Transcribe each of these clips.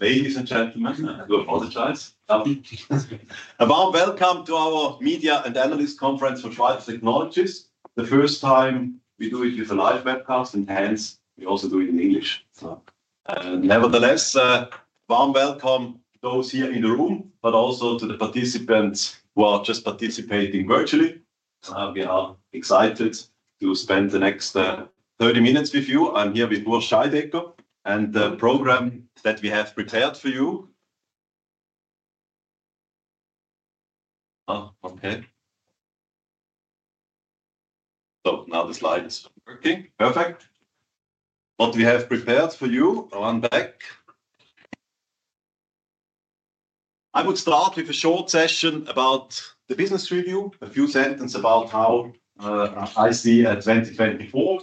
Ladies and gentlemen, and to all the charge. A warm welcome to our Media and Analysts Conference for Schweiter Technologies. The first time we do it with a live webcast, and hence we also do it in English. Nevertheless, a warm welcome to those here in the room, but also to the participants who are just participating virtually. We are excited to spend the next 30 minutes with you. I'm here with Urs Scheidegger and the program that we have prepared for you. Oh, okay. Now the slide is working. Perfect. What we have prepared for you, I'm back. I would start with a short session about the business review, a few sentences about how I see 2024,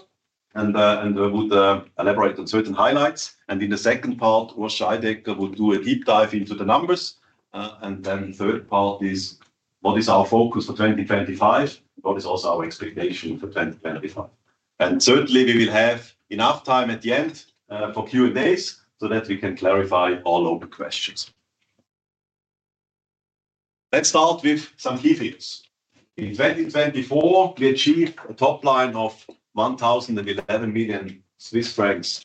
and I would elaborate on certain highlights. In the second part, Urs Scheidegger would do a deep dive into the numbers. The third part is what is our focus for 2025, and what is also our expectation for 2025. Certainly, we will have enough time at the end for Q&As so that we can clarify all open questions. Let's start with some key figures. In 2024, we achieved a top line of 1,011 million Swiss francs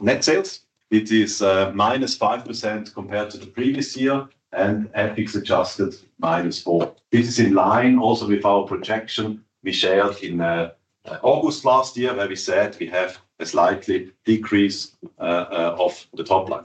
net sales. It is minus 5% compared to the previous year and FX adjusted minus 4%. This is in line also with our projection we shared in August last year, where we said we have a slightly decrease of the top line.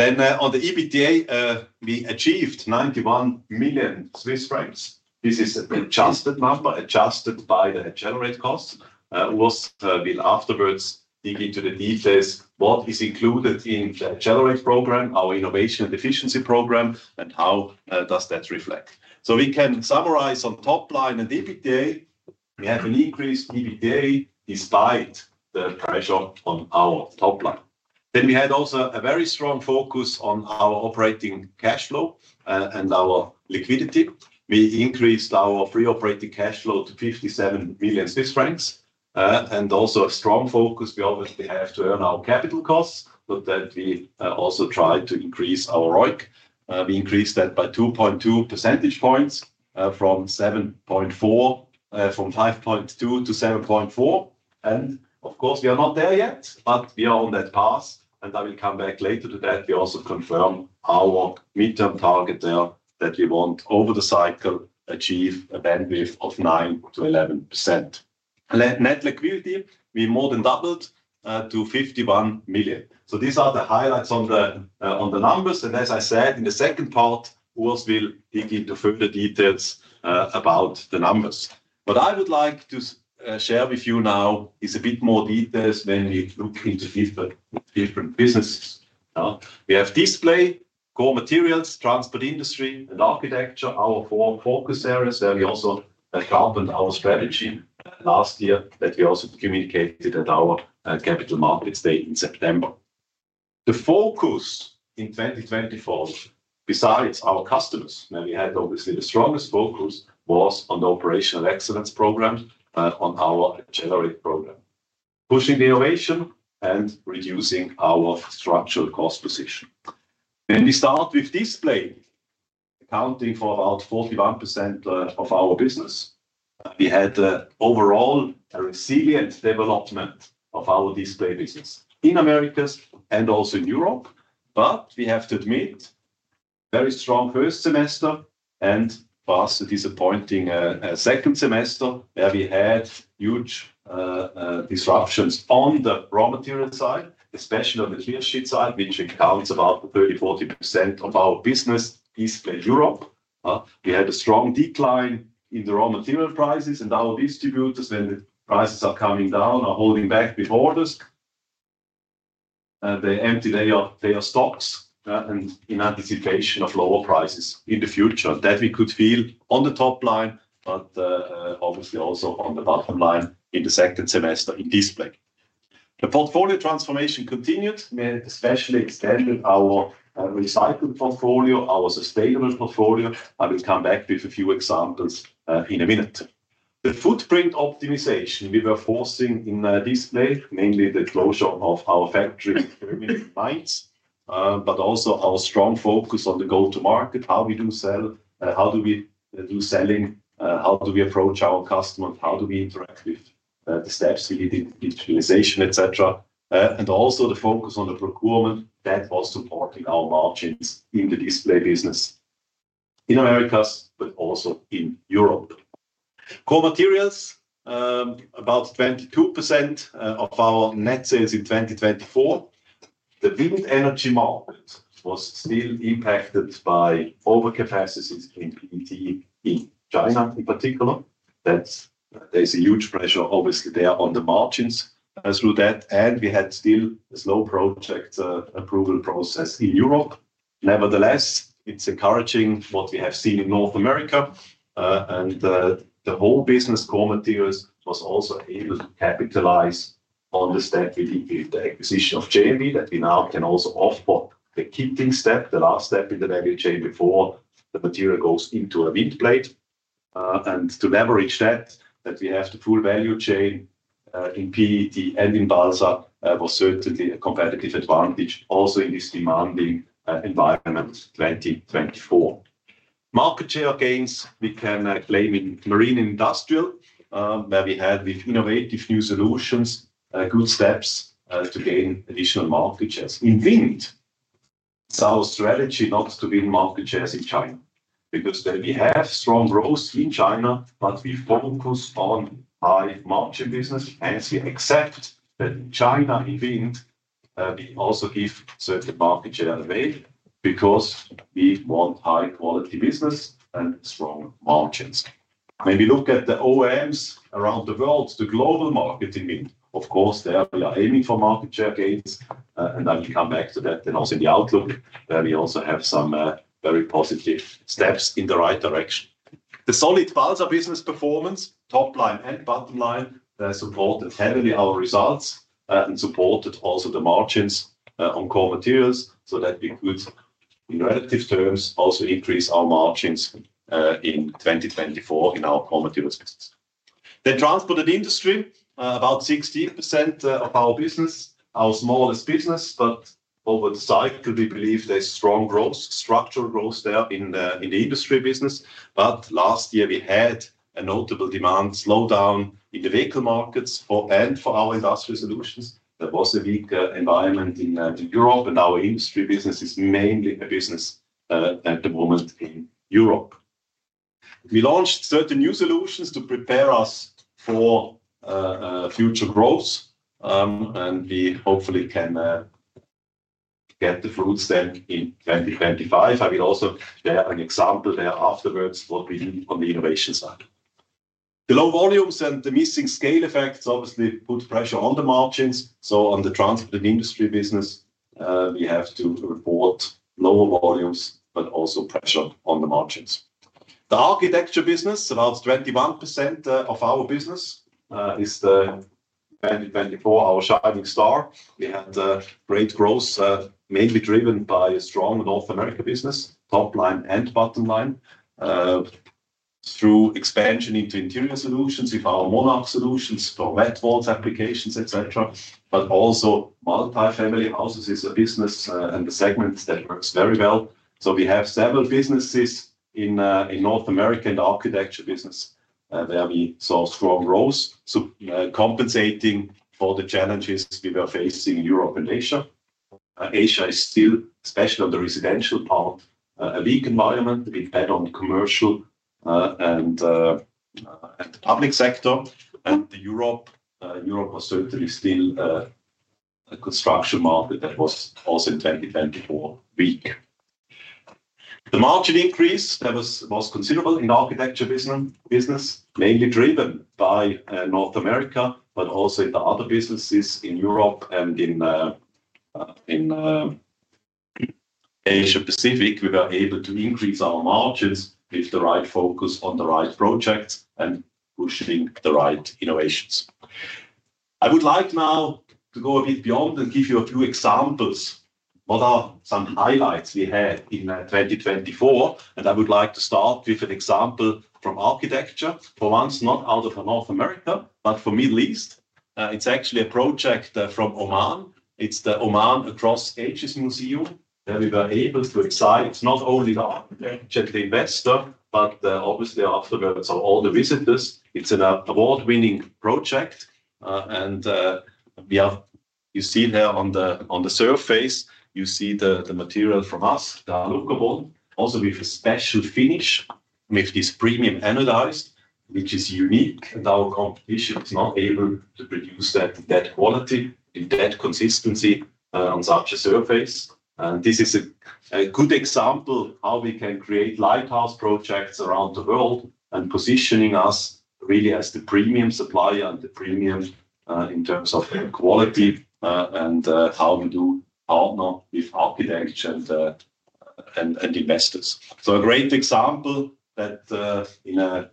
On the EBITDA, we achieved 91 million Swiss francs. This is an adjusted number, adjusted by the generated costs. Urs will afterwards dig into the details of what is included in the generated program, our innovation and efficiency program, and how that reflects. We can summarize on top line and EBITDA, we have an increased EBITDA despite the pressure on our top line. We had also a very strong focus on our operating cash flow and our liquidity. We increased our pre-operating cash flow to 57 million Swiss francs. Also a strong focus, we obviously have to earn our capital costs, but we also try to increase our ROIC. We increased that by 2.2 percentage points from 5.2% to 7.4%. Of course, we are not there yet, but we are on that path, and I will come back later to that. We also confirm our midterm target there that we want over the cycle to achieve a bandwidth of 9-11%. Net liquidity, we more than doubled to 51 million. These are the highlights on the numbers. As I said, in the second part, Urs will dig into further details about the numbers. What I would like to share with you now is a bit more details when we look into different businesses. We have display, core materials, transport industry, and architecture, our four focus areas where we also carboned our strategy last year that we also communicated at our capital markets day in September. The focus in 2024, besides our customers, when we had obviously the strongest focus, was on the operational excellence program, on our generated program, pushing the innovation and reducing our structural cost position. When we start with display, accounting for about 41% of our business, we had overall a resilient development of our display business in America and also in Europe. We have to admit, very strong first semester and perhaps a disappointing second semester where we had huge disruptions on the raw material side, especially on the clear sheet side, which accounts about 30-40% of our business display Europe. We had a strong decline in the raw material prices, and our distributors, when the prices are coming down, are holding back with orders. They empty their stocks in anticipation of lower prices in the future that we could feel on the top line, but obviously also on the bottom line in the second semester in display. The portfolio transformation continued, especially extended our recycled portfolio, our sustainable portfolio. I will come back with a few examples in a minute. The footprint optimization we were forcing in display, mainly the closure of our factories in Germany and France, also our strong focus on the go-to-market, how we do sell, how do we do selling, how do we approach our customers, how do we interact with the steps we need in digitalization, etc. Also the focus on the procurement that was supporting our margins in the display business in the Americas, also in Europe. Core materials, about 22% of our net sales in 2024. The wind energy market was still impacted by overcapacities in PET in China in particular. There is a huge pressure obviously there on the margins through that, and we had still a slow project approval process in Europe. Nevertheless, it's encouraging what we have seen in North America, and the whole business core materials was also able to capitalize on the step we did with the acquisition of JMB that we now can also off-put the kitting step, the last step in the value chain before the material goes into a wind blade. To leverage that, that we have the full value chain in PET and in balsa, was certainly a competitive advantage also in this demanding environment 2024. Market share gains we can claim in marine industrial, where we had with innovative new solutions, good steps to gain additional market shares. In wind, it's our strategy not to win market shares in China because we have strong growth in China, but we focus on high margin business. We accept that in China, in wind, we also give certain market share away because we want high-quality business and strong margins. When we look at the OEMs around the world, the global market in wind, of course, there we are aiming for market share gains, and I will come back to that and also in the outlook, where we also have some very positive steps in the right direction. The solid balsa business performance, top line and bottom line, supported heavily our results and supported also the margins on core materials so that we could, in relative terms, also increase our margins in 2024 in our core materials business. The transport and industry, about 60% of our business, our smallest business, but over the cycle, we believe there is strong growth, structural growth there in the industry business. Last year, we had a notable demand slowdown in the vehicle markets and for our industrial solutions. There was a weaker environment in Europe, and our industry business is mainly a business at the moment in Europe. We launched certain new solutions to prepare us for future growth, and we hopefully can get the fruits then in 2025. I will also share an example there afterwards of what we do on the innovation side. The low volumes and the missing scale effects obviously put pressure on the margins. On the transport and industry business, we have to report lower volumes, but also pressure on the margins. The architecture business, about 21% of our business in 2024, is our shining star. We had great growth, mainly driven by a strong North America business, top line and bottom line, through expansion into interior solutions with our Monarch solutions for wet walls applications, etc. Multifamily houses is a business and a segment that works very well. We have several businesses in North America in the architecture business, where we saw strong growth, compensating for the challenges we were facing in Europe and Asia. Asia is still, especially on the residential part, a weak environment, a bit better on the commercial and the public sector. Europe was certainly still a construction market that was also in 2024 weak. The margin increase was considerable in the architecture business, mainly driven by North America, but also in the other businesses in Europe and in Asia-Pacific. We were able to increase our margins with the right focus on the right projects and pushing the right innovations. I would like now to go a bit beyond and give you a few examples of what are some highlights we had in 2024. I would like to start with an example from architecture, for once not out of North America, but for the Middle East. It is actually a project from Oman. It is the Oman Across Stages Museum, where we were able to excite not only the architect investor, but obviously afterwards all the visitors. It is an award-winning project. You see there on the surface, you see the material from us, the Alucobond, also with a special finish, with this premium anodized, which is unique. Our competition is not able to produce that quality in that consistency on such a surface. This is a good example of how we can create lighthouse projects around the world and positioning us really as the premium supplier and the premium in terms of quality and how we do partner with architecture and investors. A great example that in an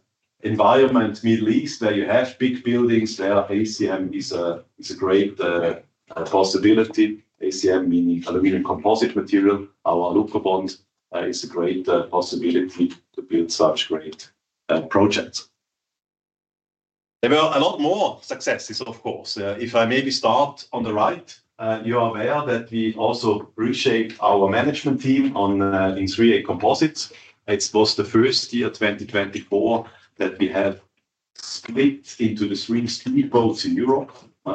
environment, Middle East, where you have big buildings, there ACM is a great possibility. ACM, meaning aluminum composite material, our Alucobond is a great possibility to build such great projects. There were a lot more successes, of course. If I maybe start on the right, you are aware that we also reshaped our management team in 3A Composites. It was the first year 2024 that we have split into the three steel boats in Europe.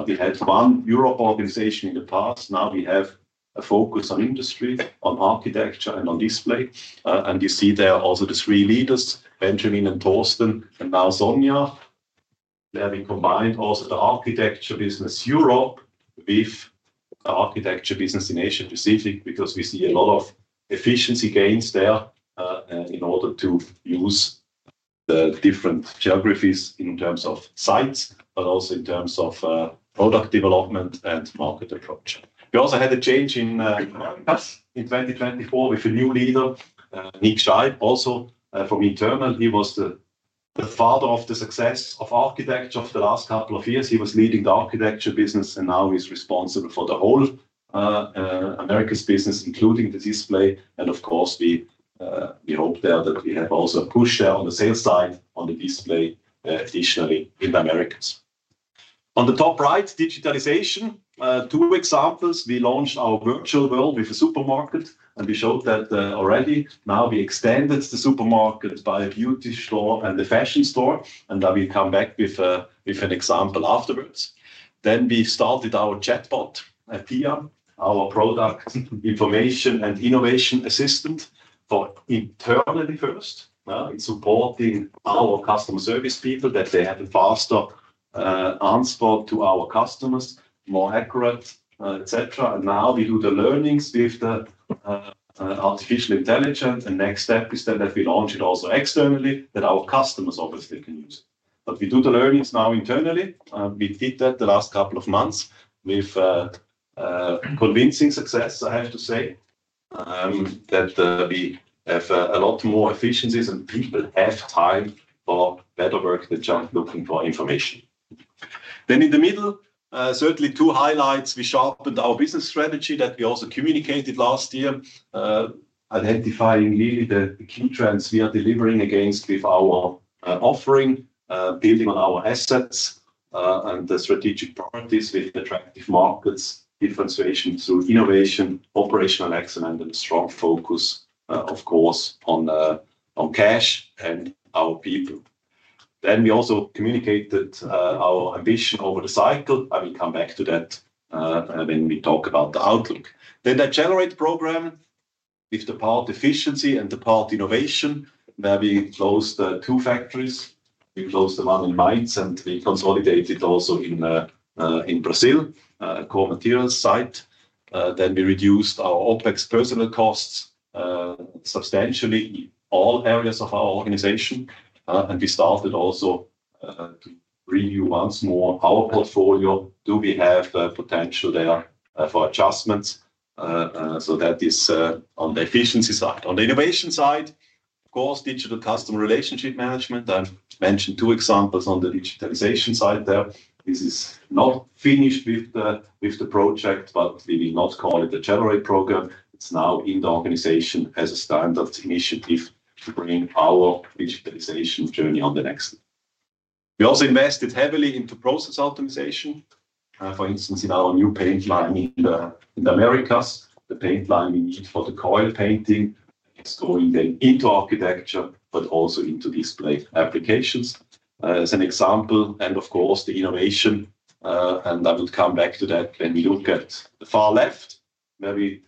We had one Europe organization in the past. Now we have a focus on industry, on architecture, and on display. You see there are also the three leaders, Benjamin and Torsten, and now Sonia. There we combined also the architecture business Europe with the architecture business in Asia-Pacific because we see a lot of efficiency gains there in order to use the different geographies in terms of sites, but also in terms of product development and market approach. We also had a change in America in 2024 with a new leader, Nick Scheid, also from internal. He was the father of the success of architecture for the last couple of years. He was leading the architecture business, and now he's responsible for the whole Americas business, including the display. Of course, we hope there that we have also pushed there on the sales side on the display additionally in the Americas. On the top right, digitalization, two examples. We launched our virtual world with a supermarket, and we showed that already. Now we extended the supermarket by a beauty store and a fashion store, and I will come back with an example afterwards. We started our chatbot, Tia, our product information and innovation assistant for internally first, supporting our customer service people that they had a faster answer to our customers, more accurate, etc. Now we do the learnings with artificial intelligence. The next step is then that we launch it also externally that our customers obviously can use. We do the learnings now internally. We did that the last couple of months with convincing success, I have to say, that we have a lot more efficiencies and people have time for better work than just looking for information. In the middle, certainly two highlights. We sharpened our business strategy that we also communicated last year, identifying really the key trends we are delivering against with our offering, building on our assets and the strategic priorities with attractive markets, differentiation through innovation, operational excellence, and a strong focus, of course, on cash and our people. We also communicated our ambition over the cycle. I will come back to that when we talk about the outlook. The generate program with the part efficiency and the part innovation, where we closed two factories. We closed the one in Mainz and we consolidated also in Brazil, core materials site. We reduced our OpEx personal costs substantially in all areas of our organization. We started also to review once more our portfolio. Do we have the potential there for adjustments? That is on the efficiency side. On the innovation side, of course, digital customer relationship management. I mentioned two examples on the digitalization side there. This is not finished with the project, but we will not call it a generate program. It is now in the organization as a standard initiative to bring our digitalization journey on the next level. We also invested heavily into process optimization. For instance, in our new paint line in the Americas, the paint line we need for the coil painting, it is going then into architecture, but also into display applications as an example. Of course, the innovation, and I will come back to that when we look at the far left, where we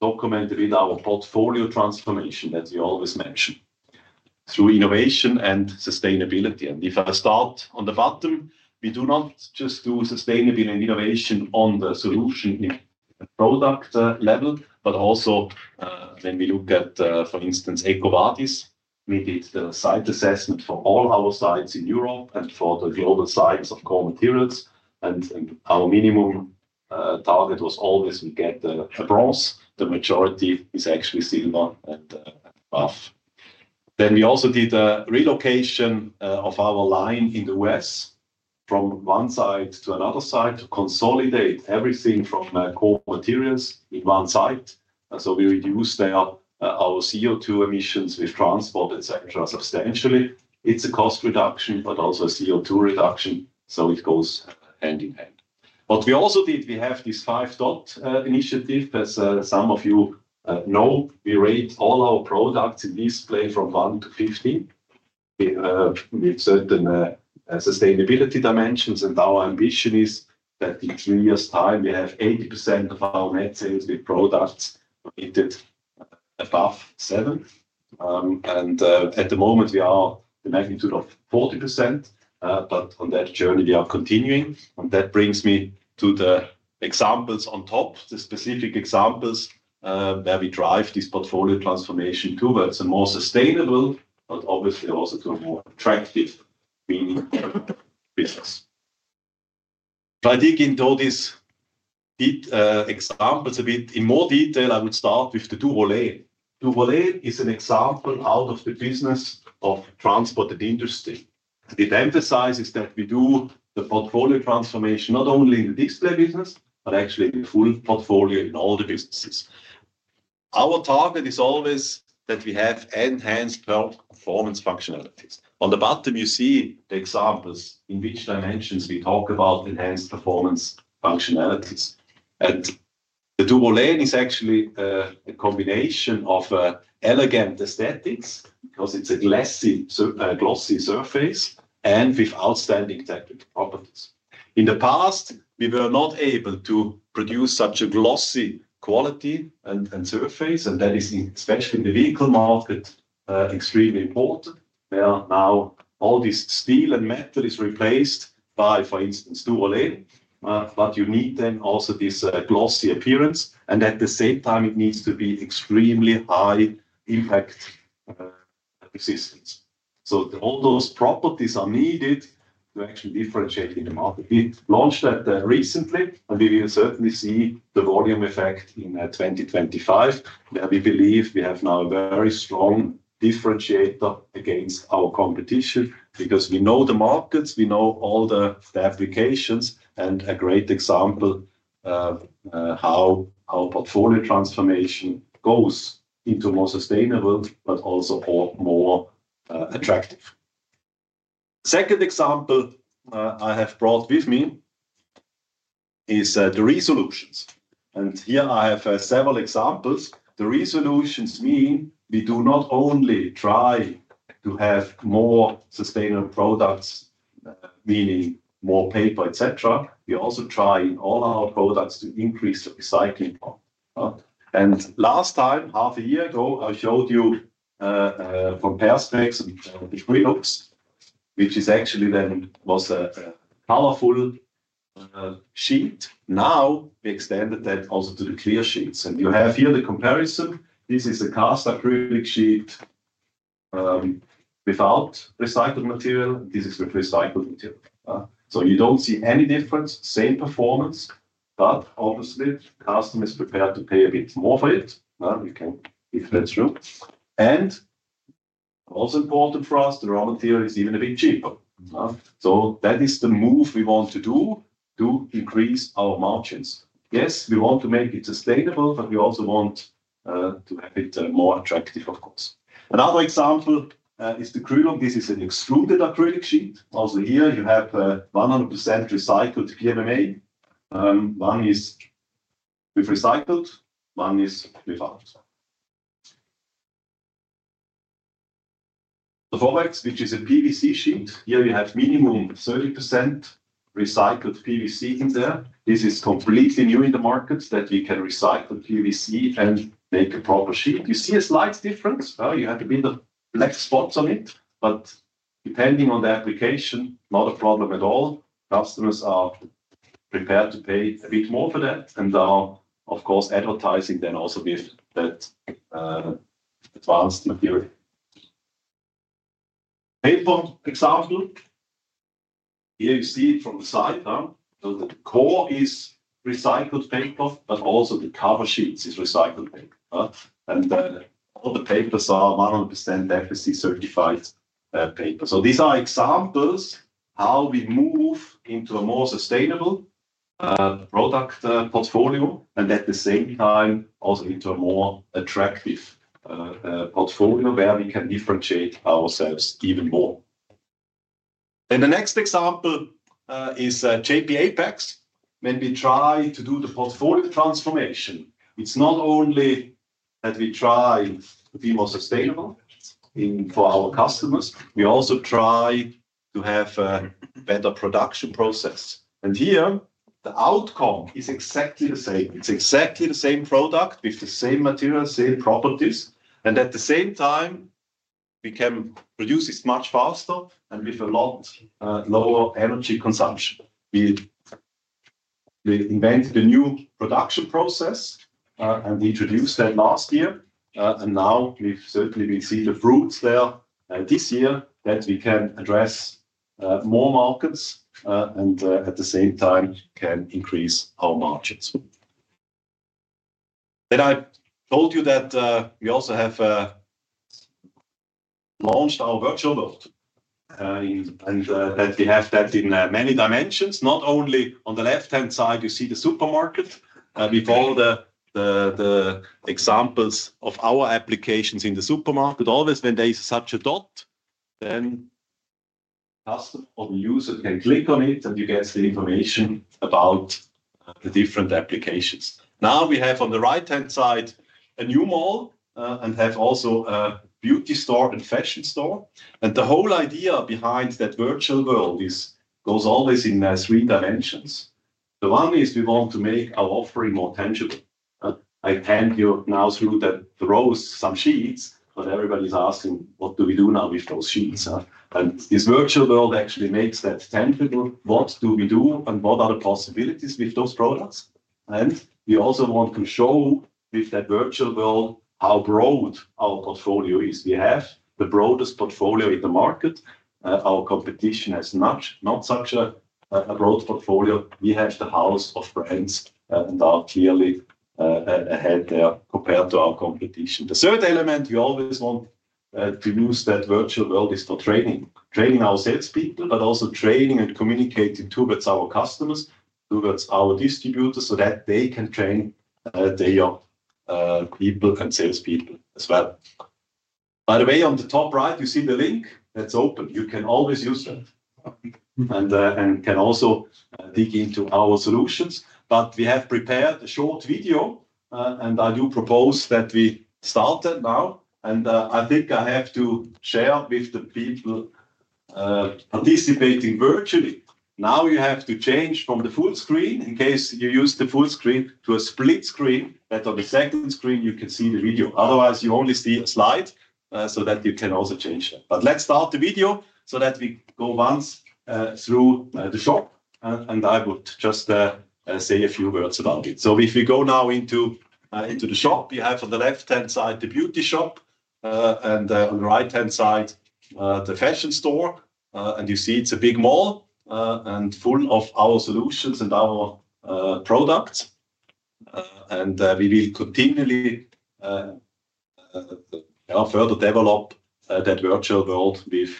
document a bit our portfolio transformation that we always mention through innovation and sustainability. If I start on the bottom, we do not just do sustainability and innovation on the solution product level, but also when we look at, for instance, EcoVadis, we did the site assessment for all our sites in Europe and for the global sites of core materials. Our minimum target was always we get a bronze. The majority is actually silver and above. We also did a relocation of our line in the US from one site to another site to consolidate everything from core materials in one site. We reduced there our CO2 emissions with transport, etc., substantially. It is a cost reduction, but also a CO2 reduction. It goes hand in hand. What we also did, we have this Five Dot Initiative. As some of you know, we rate all our products in display from 1 to 15 with certain sustainability dimensions. Our ambition is that in three years' time, we have 80% of our net sales with products rated above seven. At the moment, we are at the magnitude of 40%. On that journey, we are continuing. That brings me to the examples on top, the specific examples where we drive this portfolio transformation towards a more sustainable, but obviously also a more attractive business. If I dig into these examples a bit in more detail, I would start with the Duvolet. Duvolet is an example out of the business of transport and industry. It emphasizes that we do the portfolio transformation not only in the display business, but actually the full portfolio in all the businesses. Our target is always that we have enhanced performance functionalities. On the bottom, you see the examples in which dimensions we talk about enhanced performance functionalities. The Duvolet is actually a combination of elegant aesthetics because it's a glossy surface and with outstanding technical properties. In the past, we were not able to produce such a glossy quality and surface, and that is especially in the vehicle market extremely important, where now all this steel and metal is replaced by, for instance, Duvolet. You need then also this glossy appearance, and at the same time, it needs to be extremely high impact resistance. All those properties are needed to actually differentiate in the market. We launched that recently, and we will certainly see the volume effect in 2025, where we believe we have now a very strong differentiator against our competition because we know the markets, we know all the applications, and a great example of how our portfolio transformation goes into more sustainable, but also more attractive. The second example I have brought with me is the resolutions. Here I have several examples. The resolutions mean we do not only try to have more sustainable products, meaning more paper, etc. We also try in all our products to increase the recycling part. Last time, half a year ago, I showed you from Perspex the three looks, which actually then was a colorful sheet. Now we extended that also to the clear sheets. You have here the comparison. This is a cast acrylic sheet without recycled material. This is with recycled material. You do not see any difference, same performance, but obviously customer is prepared to pay a bit more for it, if that is true. Also important for us, the raw material is even a bit cheaper. That is the move we want to do to increase our margins. Yes, we want to make it sustainable, but we also want to have it more attractive, of course. Another example is the Kruger. This is an extruded acrylic sheet. Also here, you have 100% recycled PMMA. One is with recycled, one is without. The Fogex, which is a PVC sheet. Here we have minimum 30% recycled PVC in there. This is completely new in the market that we can recycle PVC and make a proper sheet. You see a slight difference. You have a bit of black spots on it, but depending on the application, not a problem at all. Customers are prepared to pay a bit more for that and are, of course, advertising then also with that advanced material. Paper example. Here you see it from the side. The core is recycled paper, but also the cover sheets is recycled paper. All the papers are 100% FSC certified paper. These are examples how we move into a more sustainable product portfolio and at the same time also into a more attractive portfolio where we can differentiate ourselves even more. The next example is JP Apex. When we try to do the portfolio transformation, it's not only that we try to be more sustainable for our customers, we also try to have a better production process. Here the outcome is exactly the same. It's exactly the same product with the same materials, same properties. At the same time, we can produce it much faster and with a lot lower energy consumption. We invented a new production process and introduced that last year. We certainly will see the fruits there this year that we can address more markets and at the same time can increase our margins. I told you that we also have launched our virtual boat and that we have that in many dimensions. Not only on the left-hand side, you see the supermarket. We follow the examples of our applications in the supermarket. Always when there is such a dot, then customer or the user can click on it and you get the information about the different applications. Now we have on the right-hand side a new mall and have also a beauty store and fashion store. The whole idea behind that virtual world goes always in three dimensions. The one is we want to make our offering more tangible. I hand you now through the rows, some sheets, but everybody's asking, what do we do now with those sheets? This virtual world actually makes that tangible. What do we do and what are the possibilities with those products? We also want to show with that virtual world how broad our portfolio is. We have the broadest portfolio in the market. Our competition has not such a broad portfolio. We have the house of brands and are clearly ahead there compared to our competition. The third element you always want to use that virtual world is for training. Training our salespeople, but also training and communicating towards our customers, towards our distributors so that they can train their people and salespeople as well. By the way, on the top right, you see the link that's open. You can always use that and can also dig into our solutions. We have prepared a short video, and I do propose that we start that now. I think I have to share with the people participating virtually. Now you have to change from the full screen in case you use the full screen to a split screen so that on the second screen you can see the video. Otherwise, you only see a slide so that you can also change that. Let's start the video so that we go once through the shop, and I would just say a few words about it. If we go now into the shop, we have on the left-hand side the beauty shop and on the right-hand side the fashion store. You see it is a big mall and full of our solutions and our products. We will continually further develop that virtual world with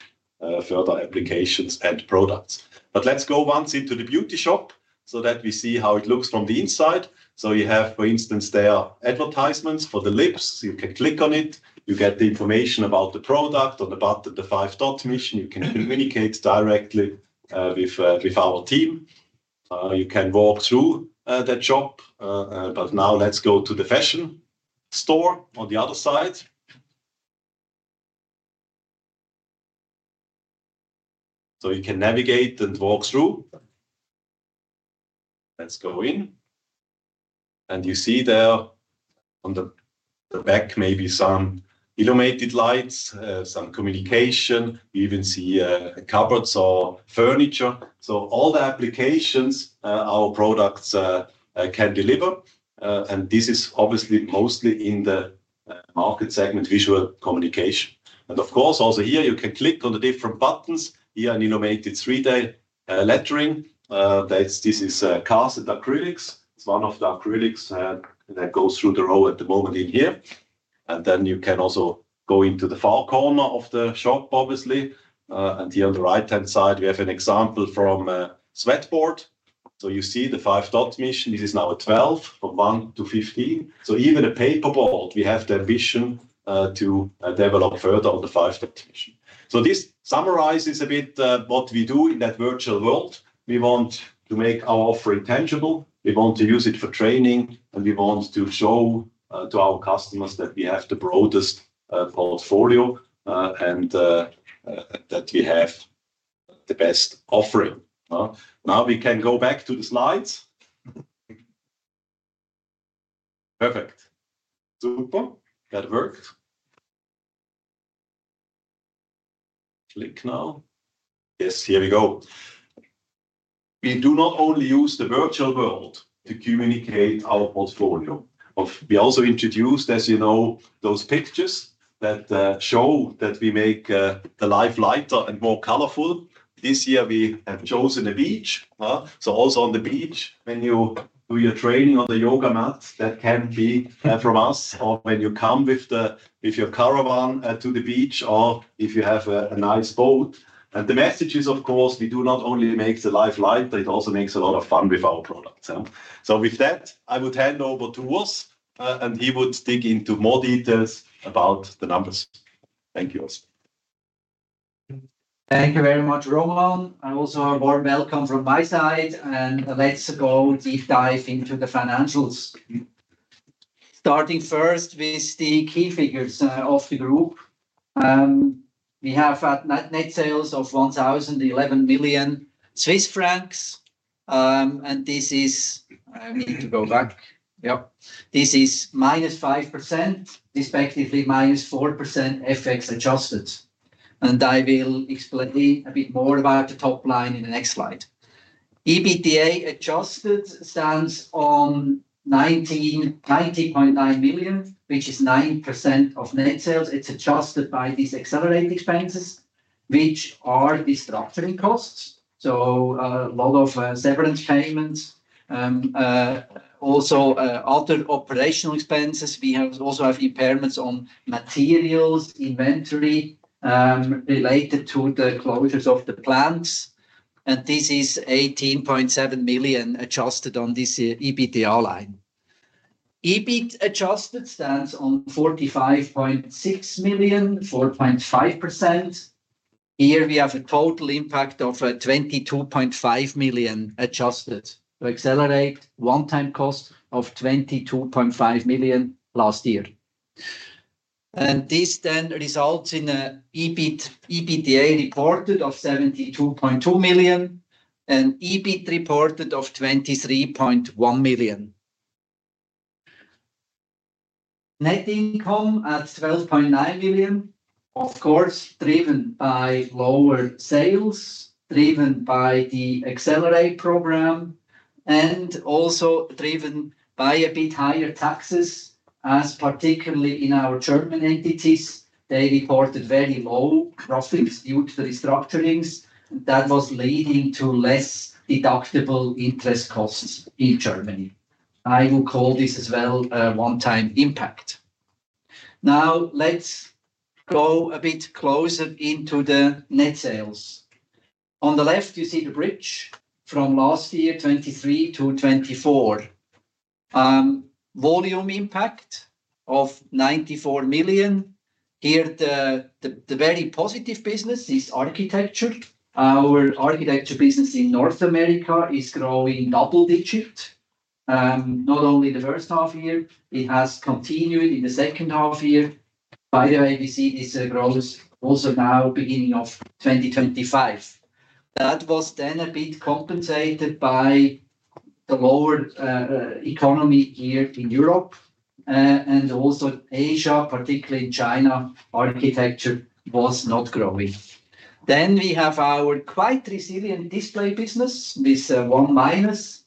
further applications and products. Let's go once into the beauty shop so that we see how it looks from the inside. You have, for instance, there are advertisements for the lips. You can click on it. You get the information about the product on the bottom, the five dot mission. You can communicate directly with our team. You can walk through that shop. Now let's go to the fashion store on the other side. You can navigate and walk through. Let's go in. You see there on the back maybe some illuminated lights, some communication. You even see a cupboard or furniture. All the applications our products can deliver. This is obviously mostly in the market segment, visual communication. Of course, also here you can click on the different buttons. Here an illuminated 3D lettering. This is cast acrylics. It's one of the acrylics that goes through the row at the moment in here. You can also go into the far corner of the shop, obviously. Here on the right-hand side, we have an example from a sweatboard. You see the five dot mission. This is now a 12 from 1 to 15. Even a paper board, we have the ambition to develop further on the five dot mission. This summarizes a bit what we do in that virtual world. We want to make our offering tangible. We want to use it for training, and we want to show to our customers that we have the broadest portfolio and that we have the best offering. Now we can go back to the slides. Perfect. Super. That worked. Click now. Yes, here we go. We do not only use the virtual world to communicate our portfolio. We also introduced, as you know, those pictures that show that we make the life lighter and more colorful. This year, we have chosen a beach. Also on the beach, when you do your training on the yoga mat, that can be from us, or when you come with your caravan to the beach, or if you have a nice boat. The message is, of course, we do not only make the life lighter, it also makes a lot of fun with our products. With that, I would hand over to Urs, and he would dig into more details about the numbers. Thank you, Urs. Thank you very much, Roman. Also a warm welcome from my side. Let's go deep dive into the financials. Starting first with the key figures of the group. We have net sales of 1,011 million Swiss francs. This is minus 5%, respectively minus 4% FX adjusted. I will explain a bit more about the top line in the next slide. EBITDA adjusted stands on 19.9 million, which is 9% of net sales. It is adjusted by these accelerated expenses, which are the structuring costs. A lot of severance payments, also other operational expenses. We also have impairments on materials, inventory related to the closures of the plants. This is 18.7 million adjusted on this EBITDA line. EBIT adjusted stands on 45.6 million, 4.5%. Here we have a total impact of 22.5 million adjusted to accelerate one-time cost of 22.5 million last year. This then results in an EBITDA reported of 72.2 million and EBIT reported of 23.1 million. Net income at 12.9 million, of course, driven by lower sales, driven by the accelerate program, and also driven by a bit higher taxes, as particularly in our German entities, they reported very low profits due to the restructurings. That was leading to less deductible interest costs in Germany. I will call this as well a one-time impact. Now let's go a bit closer into the net sales. On the left, you see the bridge from last year, 2023 to 2024. Volume impact of 94 million. Here, the very positive business is architecture. Our architecture business in North America is growing double digit. Not only the first half year, it has continued in the second half year. By the way, we see this growth also now beginning of 2025. That was then a bit compensated by the lower economy here in Europe. Also, Asia, particularly in China, architecture was not growing. We have our quite resilient display business with one minus,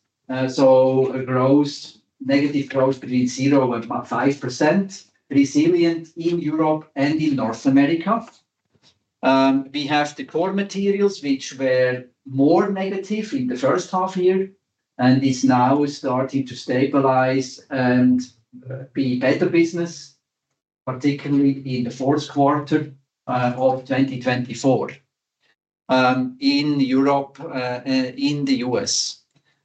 so a growth, negative growth between 0-5%, resilient in Europe and in North America. We have the core materials, which were more negative in the first half year and is now starting to stabilize and be better business, particularly in the fourth quarter of 2024 in Europe, in the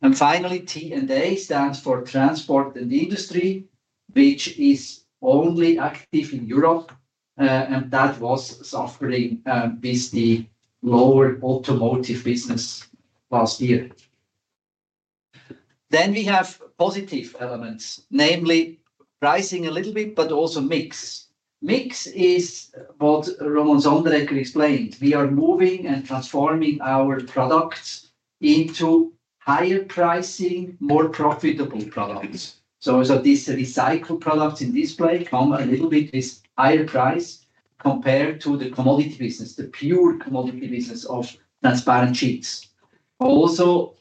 US. Finally, T&A stands for transport and industry, which is only active in Europe. That was suffering with the lower automotive business last year. We have positive elements, namely pricing a little bit, but also mix. Mix is what Roman Sonderegger explained. We are moving and transforming our products into higher pricing, more profitable products. These recycled products in display come a little bit with higher price compared to the commodity business, the pure commodity business of transparent sheets. Also,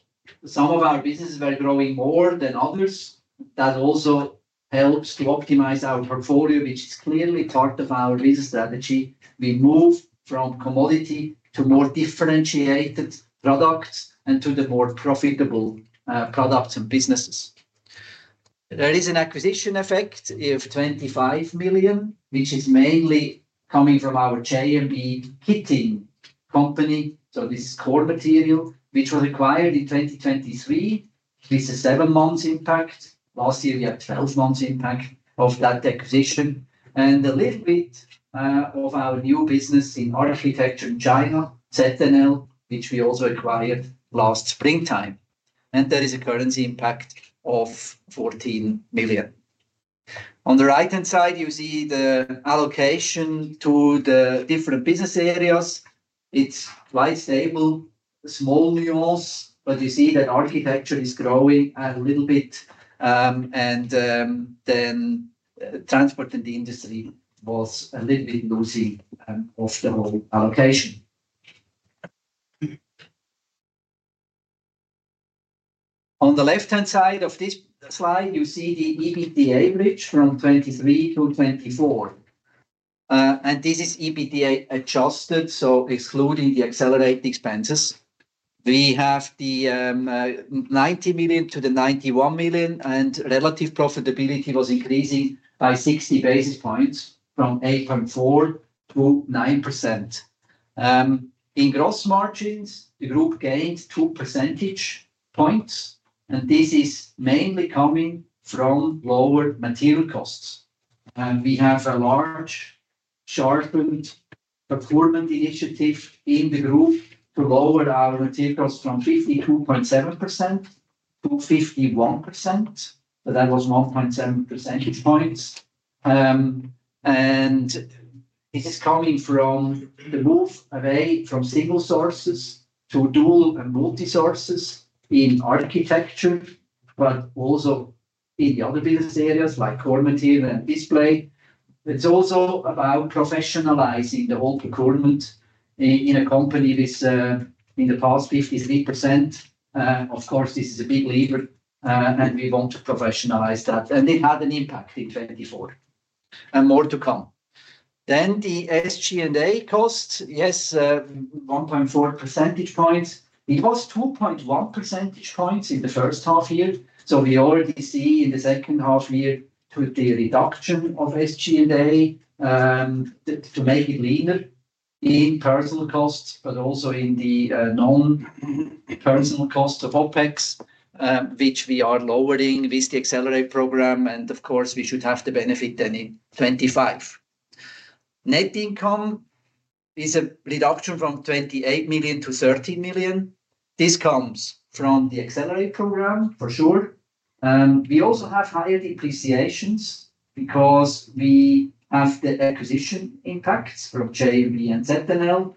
some of our businesses are growing more than others. That also helps to optimize our portfolio, which is clearly part of our business strategy. We move from commodity to more differentiated products and to the more profitable products and businesses. There is an acquisition effect of 25 million, which is mainly coming from our JMB kitting company. This is core material, which was acquired in 2023. This is a seven-month impact. Last year, we had 12-month impact of that acquisition. A little bit of our new business in architecture in China, ZNL, which we also acquired last springtime. There is a currency impact of 14 million. On the right-hand side, you see the allocation to the different business areas. It's quite stable, small nuance, but you see that architecture is growing a little bit. Then transport and industry was a little bit losing of the whole allocation. On the left-hand side of this slide, you see the EBITDA bridge from 2023 to 2024. This is EBITDA adjusted, so excluding the accelerated expenses. We have the 90 million to the 91 million, and relative profitability was increasing by 60 basis points from 8.4% to 9%. In gross margins, the group gained 2 percentage points, and this is mainly coming from lower material costs. We have a large sharpened performance initiative in the group to lower our materials from 52.7% to 51%. That was 1.7 percentage points. This is coming from the move away from single sources to dual and multi-sources in architecture, but also in the other business areas like core material and display. It's also about professionalizing the whole procurement in a company with, in the past, 53%. Of course, this is a big lever, and we want to professionalize that. It had an impact in 2024 and more to come. The SG&A costs, yes, 1.4 percentage points. It was 2.1 percentage points in the first half year. We already see in the second half year the reduction of SG&A to make it leaner in personnel costs, but also in the non-personnel costs of OpEx, which we are lowering with the accelerate program. We should have the benefit then in 2025. Net income is a reduction from 28 million to 13 million. This comes from the accelerate program, for sure. We also have higher depreciations because we have the acquisition impacts from JMB and ZNL.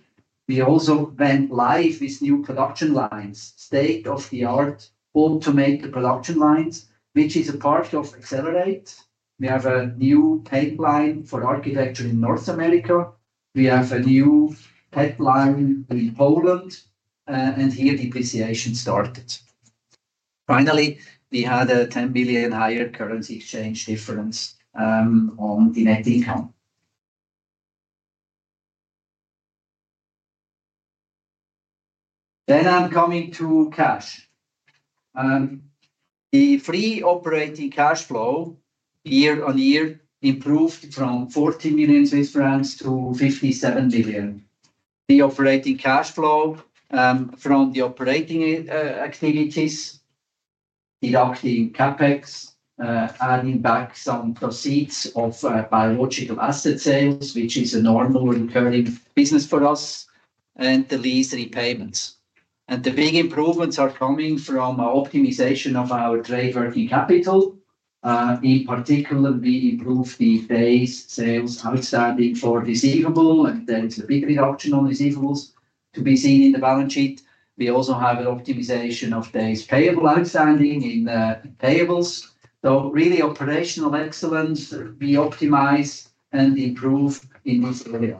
We also went live with new production lines, state-of-the-art automated production lines, which is a part of accelerate. We have a new pipeline for architecture in North America. We have a new pipeline in Poland, and here depreciation started. Finally, we had a 10 million higher currency exchange difference on the net income. I am coming to cash. The free operating cash flow year on year improved from 40 million Swiss francs to 57 million. The operating cash flow from the operating activities, deducting CapEx, adding back some proceeds of biological asset sales, which is a normal recurring business for us, and the lease repayments. The big improvements are coming from optimization of our trade working capital. In particular, we improved the days sales outstanding for receivable, and there is a big reduction on receivables to be seen in the balance sheet. We also have an optimization of days payable outstanding in payables. Really operational excellence, we optimize and improve in this area.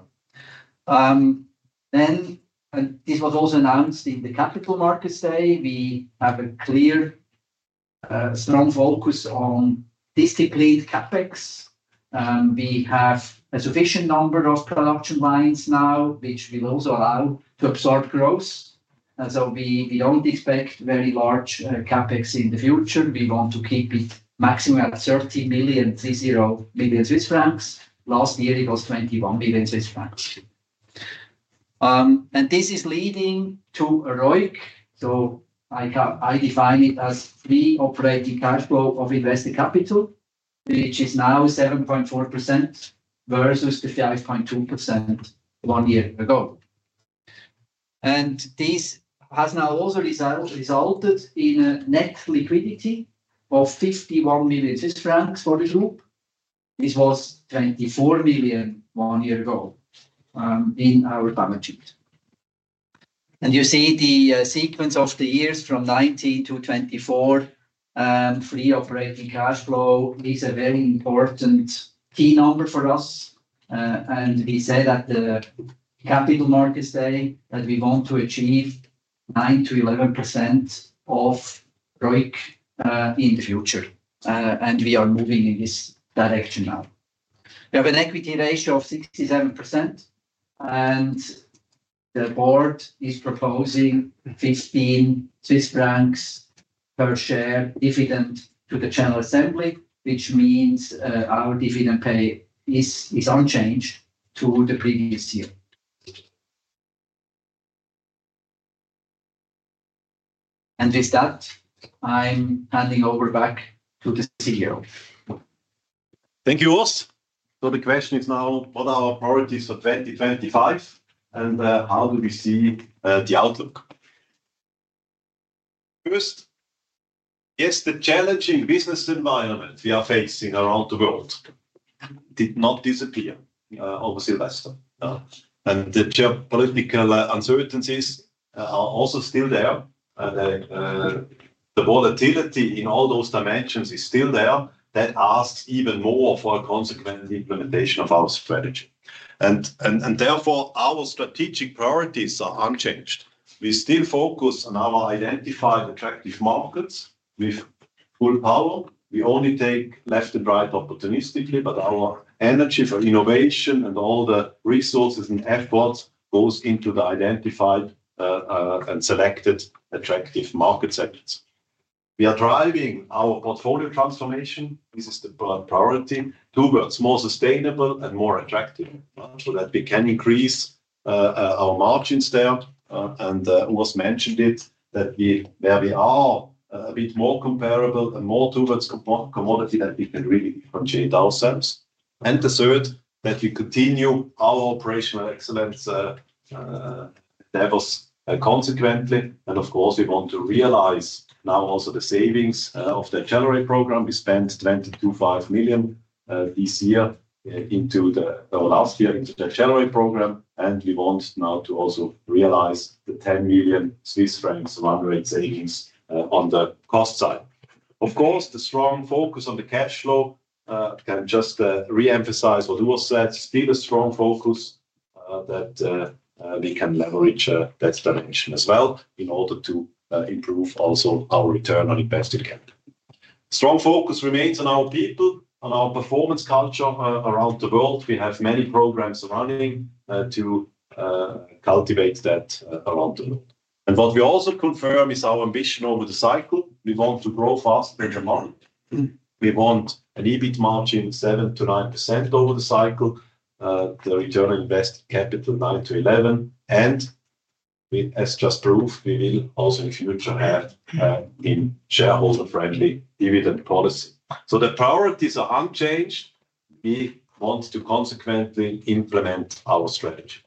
This was also announced in the capital markets day, we have a clear, strong focus on disciplined CapEx. We have a sufficient number of production lines now, which will also allow to absorb growth. We do not expect very large CapEx in the future. We want to keep it maximum at 30 million, 30 million Swiss francs. Last year, it was 21 million Swiss francs. This is leading to a ROIC. I define it as free operating cash flow of invested capital, which is now 7.4% versus the 5.2% one year ago. This has now also resulted in a net liquidity of 51 million Swiss francs for the group. This was 24 million one year ago in our balance sheet. You see the sequence of the years from 2019 to 2024, free operating cash flow is a very important key number for us. We said at the capital markets day that we want to achieve 9%-11% of ROIC in the future. We are moving in this direction now. We have an equity ratio of 67%, and the board is proposing 15 Swiss francs per share dividend to the general assembly, which means our dividend pay is unchanged to the previous year. With that, I'm handing over back to the CEO. Thank you, Urs. The question is now, what are our priorities for 2025, and how do we see the outlook? First, yes, the challenging business environment we are facing around the world did not disappear over Silvester. The geopolitical uncertainties are also still there. The volatility in all those dimensions is still there. That asks even more for a consequent implementation of our strategy. Therefore, our strategic priorities are unchanged. We still focus on our identified attractive markets with full power. We only take left and right opportunistically, but our energy for innovation and all the resources and efforts goes into the identified and selected attractive market segments. We are driving our portfolio transformation. This is the priority towards more sustainable and more attractive so that we can increase our margins there. Urs mentioned it, that where we are a bit more comparable and more towards commodity that we can really differentiate ourselves. The third, that we continue our operational excellence endeavors consequently. Of course, we want to realize now also the savings of the accelerate program. We spent 22.5 million this year into the last year into the accelerate program. We want now to also realize the 10 million Swiss francs run rate savings on the cost side. Of course, the strong focus on the cash flow can just reemphasize what Urs said. Still a strong focus that we can leverage that dimension as well in order to improve also our return on invested capital. Strong focus remains on our people, on our performance culture around the world. We have many programs running to cultivate that around the world. What we also confirm is our ambition over the cycle. We want to grow faster in the market. We want an EBIT margin of 7-9% over the cycle, the return on invested capital 9-11%. As just proved, we will also in the future have a shareholder-friendly dividend policy. The priorities are unchanged. We want to consequently implement our strategy.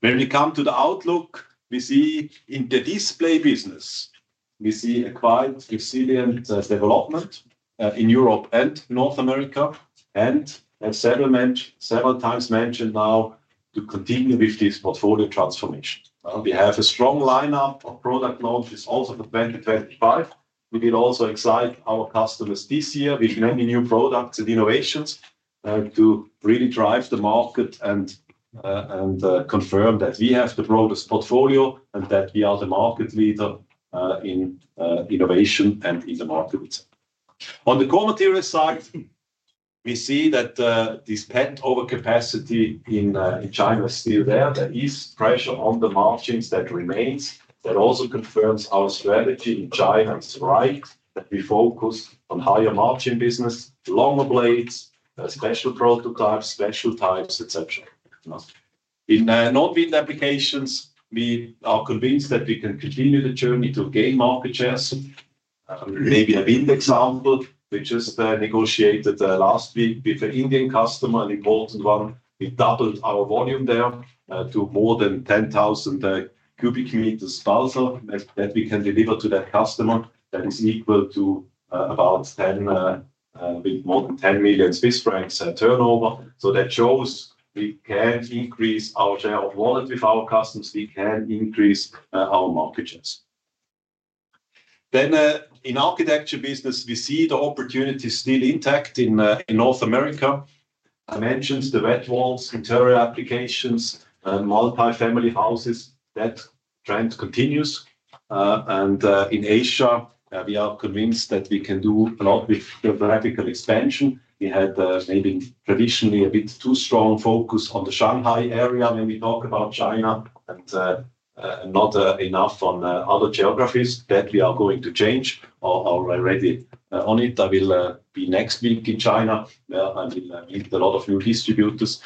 When we come to the outlook, we see in the display business, we see a quite resilient development in Europe and North America and a several times mentioned now to continue with this portfolio transformation. We have a strong lineup of product launches also for 2025. We will also excite our customers this year with many new products and innovations to really drive the market and confirm that we have the broadest portfolio and that we are the market leader in innovation and in the market itself. On the core materials side, we see that this pent-over capacity in China is still there. There is pressure on the margins that remains. That also confirms our strategy in China is right, that we focus on higher margin business, longer blades, special prototypes, special types, etc. In non-wind applications, we are convinced that we can continue the journey to gain market shares. Maybe a wind example, we just negotiated last week with an Indian customer, an important one. We doubled our volume there to more than 10,000 cubic meters bulk that we can deliver to that customer. That is equal to about 10 with more than 10 million Swiss francs turnover. That shows we can increase our share of wallet with our customers. We can increase our market shares. In architecture business, we see the opportunity still intact in North America. I mentioned the wet walls, interior applications, multifamily houses. That trend continues. In Asia, we are convinced that we can do a lot with geographical expansion. We had maybe traditionally a bit too strong focus on the Shanghai area when we talk about China and not enough on other geographies. That we are going to change. I'm already on it. I will be next week in China. I will meet a lot of new distributors.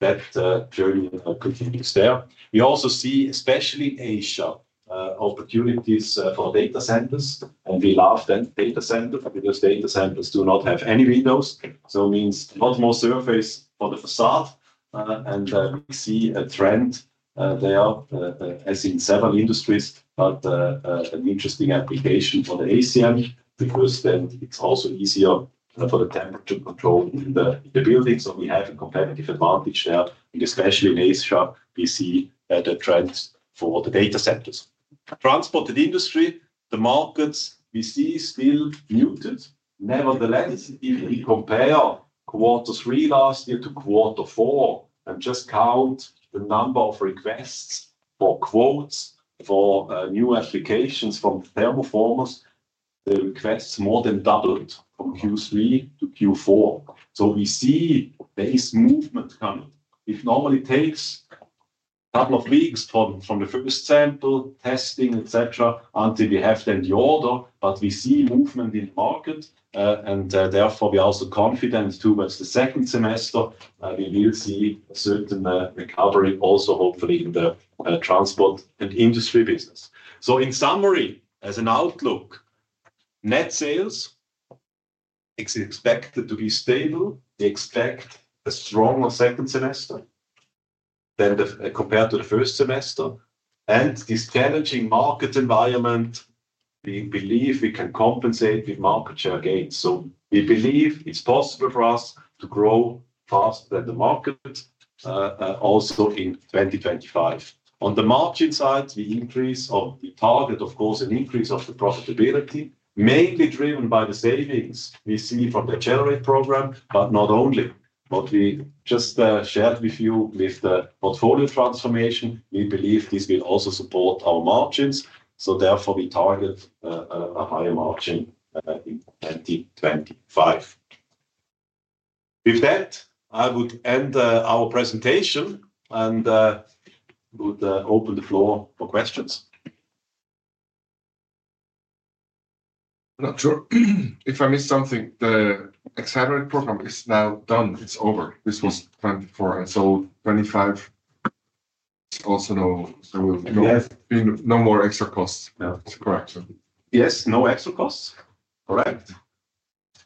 That journey continues there. We also see, especially Asia, opportunities for data centers. We love data centers because data centers do not have any windows. It means a lot more surface for the facade. We see a trend there as in several industries, but an interesting application for the ACM because then it is also easier for the temperature control in the building. We have a competitive advantage there. Especially in Asia, we see the trends for the data centers. Transported industry, the markets, we see still muted. Nevertheless, if we compare quarter three last year to quarter four and just count the number of requests for quotes for new applications from thermoformers, the requests more than doubled from Q3 to Q4. We see base movement coming. It normally takes a couple of weeks from the first sample, testing, etc., until we have then the order. We see movement in the market. Therefore, we are also confident towards the second semester, we will see a certain recovery also hopefully in the transport and industry business. In summary, as an outlook, net sales is expected to be stable. We expect a stronger second semester than compared to the first semester. In this challenging market environment, we believe we can compensate with market share gains. We believe it is possible for us to grow faster than the market also in 2025. On the margin side, we increase or we target, of course, an increase of the profitability, mainly driven by the savings we see from the accelerate program, but not only. What we just shared with you with the portfolio transformation, we believe this will also support our margins. Therefore, we target a higher margin in 2025. With that, I would end our presentation and would open the floor for questions. I'm not sure if I missed something. The accelerate program is now done. It's over. This was 2024. Twenty twenty-five is also no more extra costs. Correction. Yes, no extra costs. Correct.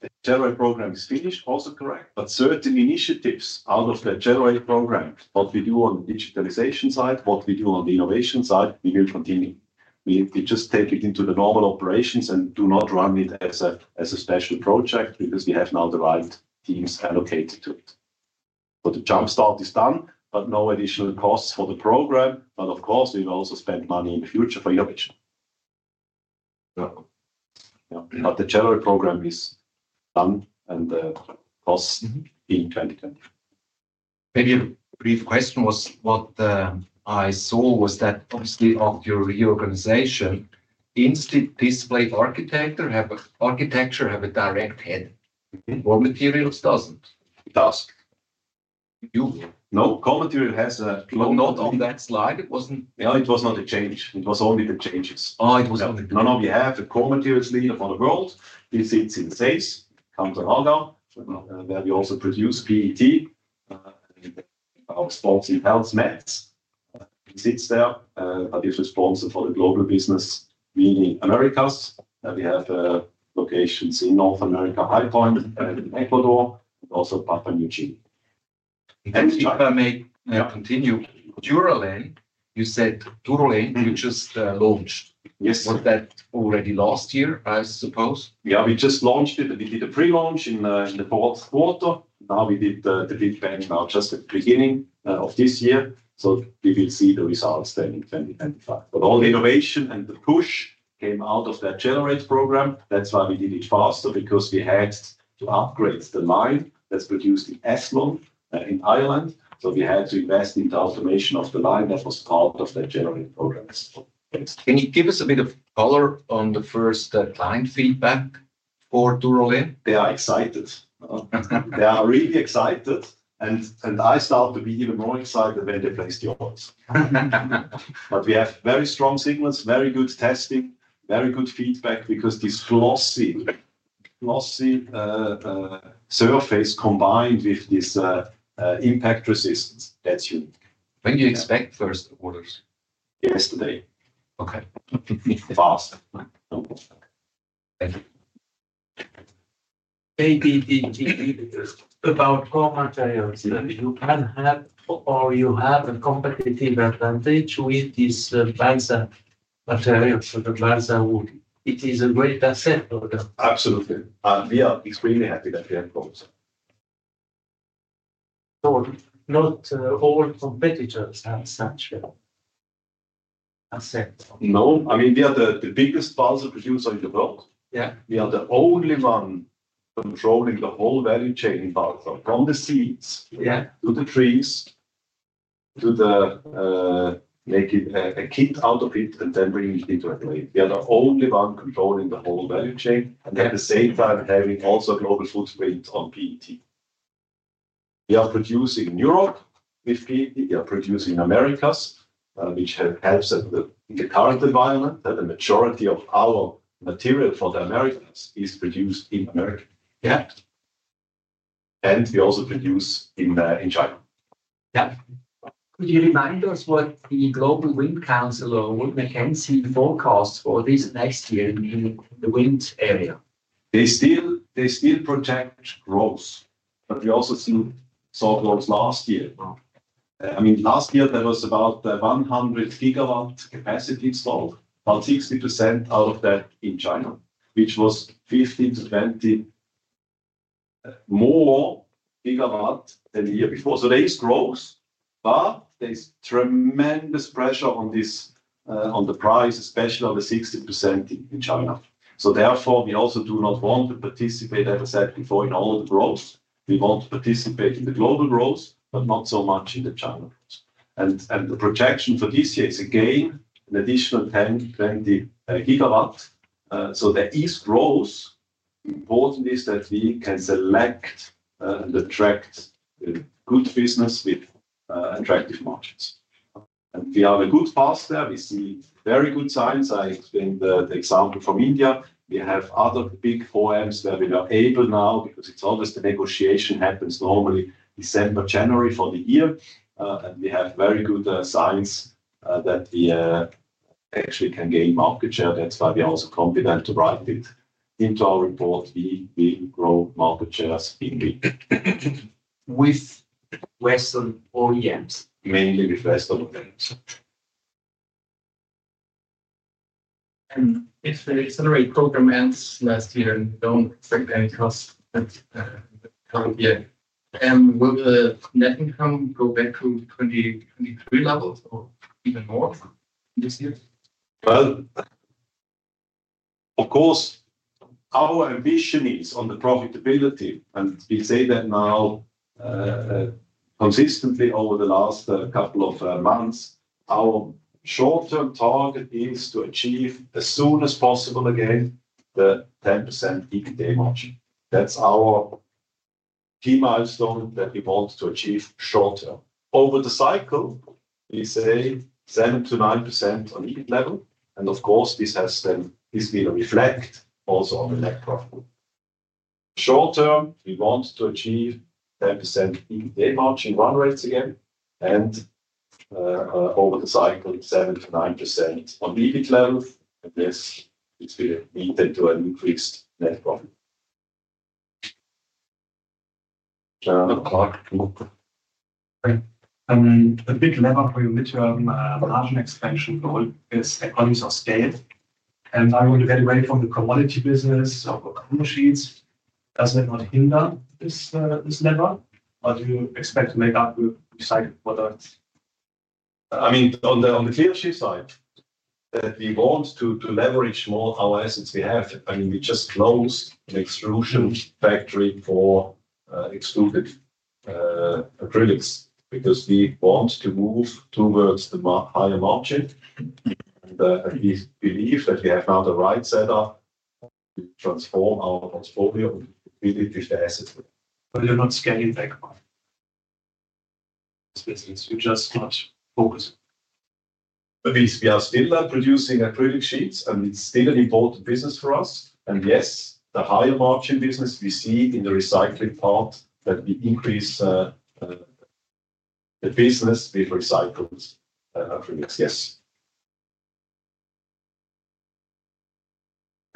The accelerate program is finished. Also correct. Certain initiatives out of the accelerate program, what we do on the digitalization side, what we do on the innovation side, we will continue. We just take it into the normal operations and do not run it as a special project because we have now the right teams allocated to it. The jumpstart is done, but no additional costs for the program. Of course, we will also spend money in the future for innovation. The accelerate program is done and costs in 2025. Maybe a brief question was what I saw was that obviously of your reorganization, instead display architecture have a direct head. Core materials doesn't. It does. No, core material has a close. Not on that slide. It wasn't. It was not a change. It was only the changes. Oh, it was only. None of you have a core materials lead for the world. He sits in the Saints, comes to Naga. There we also produce PET. Our sponsor in HealthMeds. He sits there, but he's responsible for the global business, meaning Americas. We have locations in North America, High Point, Ecuador, and also Papua New Guinea. If I may continue, Duvolet, you said Duvolet you just launched. Yes. Was that already last year, I suppose? Yeah, we just launched it. We did a pre-launch in the fourth quarter. Now we did the big bang now just at the beginning of this year. We will see the results then in 2025. All the innovation and the push came out of that accelerate program. That's why we did it faster, because we had to upgrade the line that's produced in Ireland. We had to invest in the automation of the line that was part of that accelerate program. Can you give us a bit of color on the first client feedback for Duvolet? They are excited. They are really excited. I start to be even more excited when they place the orders. We have very strong signals, very good testing, very good feedback, because this glossy surface combined with this impact resistance, that's unique. When do you expect first orders? Yesterday. Okay. Fast. Thank you. Maybe about core materials. You can have or you have a competitive advantage with this balsa material for the balsa wood. It is a great asset. Absolutely. We are extremely happy that we have got it. Not all competitors have such an asset. No. I mean, we are the biggest balsa producer in the world. We are the only one controlling the whole value chain in balsa, from the seeds to the trees to make a kit out of it and then bring it into a blade. We are the only one controlling the whole value chain and at the same time having also a global footprint on PET. We are producing in Europe with PET. We are producing in Americas, which helps in the current environment. The majority of our material for the Americas is produced in America. We also produce in China. Yeah. Could you remind us what the global wind council or what we can see forecast for this next year, meaning the wind area? They still protect growth, but we also see soft loss last year. I mean, last year there was about 100 gigawatt capacity slope, about 60% out of that in China, which was 15-20 more gigawatt than the year before. There is growth, but there is tremendous pressure on the price, especially on the 60% in China. Therefore, we also do not want to participate, as I said before, in all the growth. We want to participate in the global growth, but not so much in the China growth. The projection for this year is again an additional 10-20 gigawatt. There is growth. Important is that we can select and attract good business with attractive margins. We have a good path there. We see very good signs. I explained the example from India. We have other big forums where we are able now, because the negotiation happens normally December, January for the year. We have very good signs that we actually can gain market share. That is why we are also confident to write it into our report. We will grow market shares indeed. With Western OEMs? Mainly with Western OEMs. If the accelerate program ends last year and we do not expect any costs that come here, will the net income go back to 2023 levels or even more this year? Of course, our ambition is on the profitability. We say that now consistently over the last couple of months. Our short-term target is to achieve as soon as possible again the 10% EBITDA margin. That is our key milestone that we want to achieve short term. Over the cycle, we say 7-9% on EBIT level. Of course, this has then been reflected also on the net profit. Short term, we want to achieve 10% EBITDA margin run rates again. Over the cycle, 7-9% on EBIT level. Yes, it has been leading to an increased net profit. A big lever for your mid-term margin expansion goal is economies of scale. I want to get away from the commodity business of sheets. Does that not hinder this lever? Or do you expect to make up with recycled products? I mean, on the clear sheet side, that we want to leverage more our assets we have. I mean, we just closed an extrusion factory for extruded acrylics because we want to move towards the higher margin. We believe that we have now the right setup to transform our portfolio with the assets. You're not scaling backwards? You're just not focusing? I mean, we are still producing acrylic sheets, and it's still an important business for us. Yes, the higher margin business we see in the recycling part that we increase the business with recycled acrylics. Yes.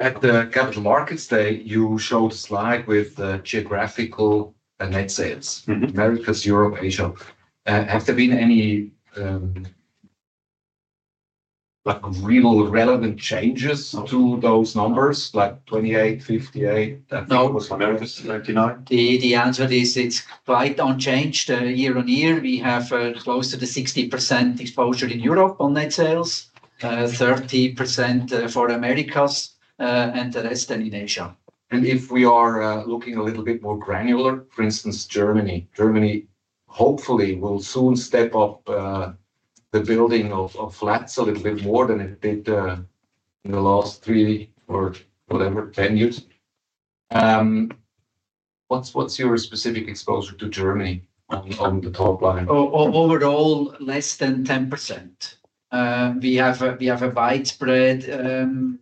At the Capital Markets Day, you showed a slide with geographical net sales. Americas, Europe, Asia. Have there been any real relevant changes to those numbers, like 28, 58? No. Americas, 99. The answer is it's quite unchanged year on year. We have close to the 60% exposure in Europe on net sales, 30% for Americas, and the rest then in Asia. If we are looking a little bit more granular, for instance, Germany, Germany hopefully will soon step up the building of flats a little bit more than it did in the last three or whatever, ten years. What's your specific exposure to Germany on the top line? Overall, less than 10%. We have a widespread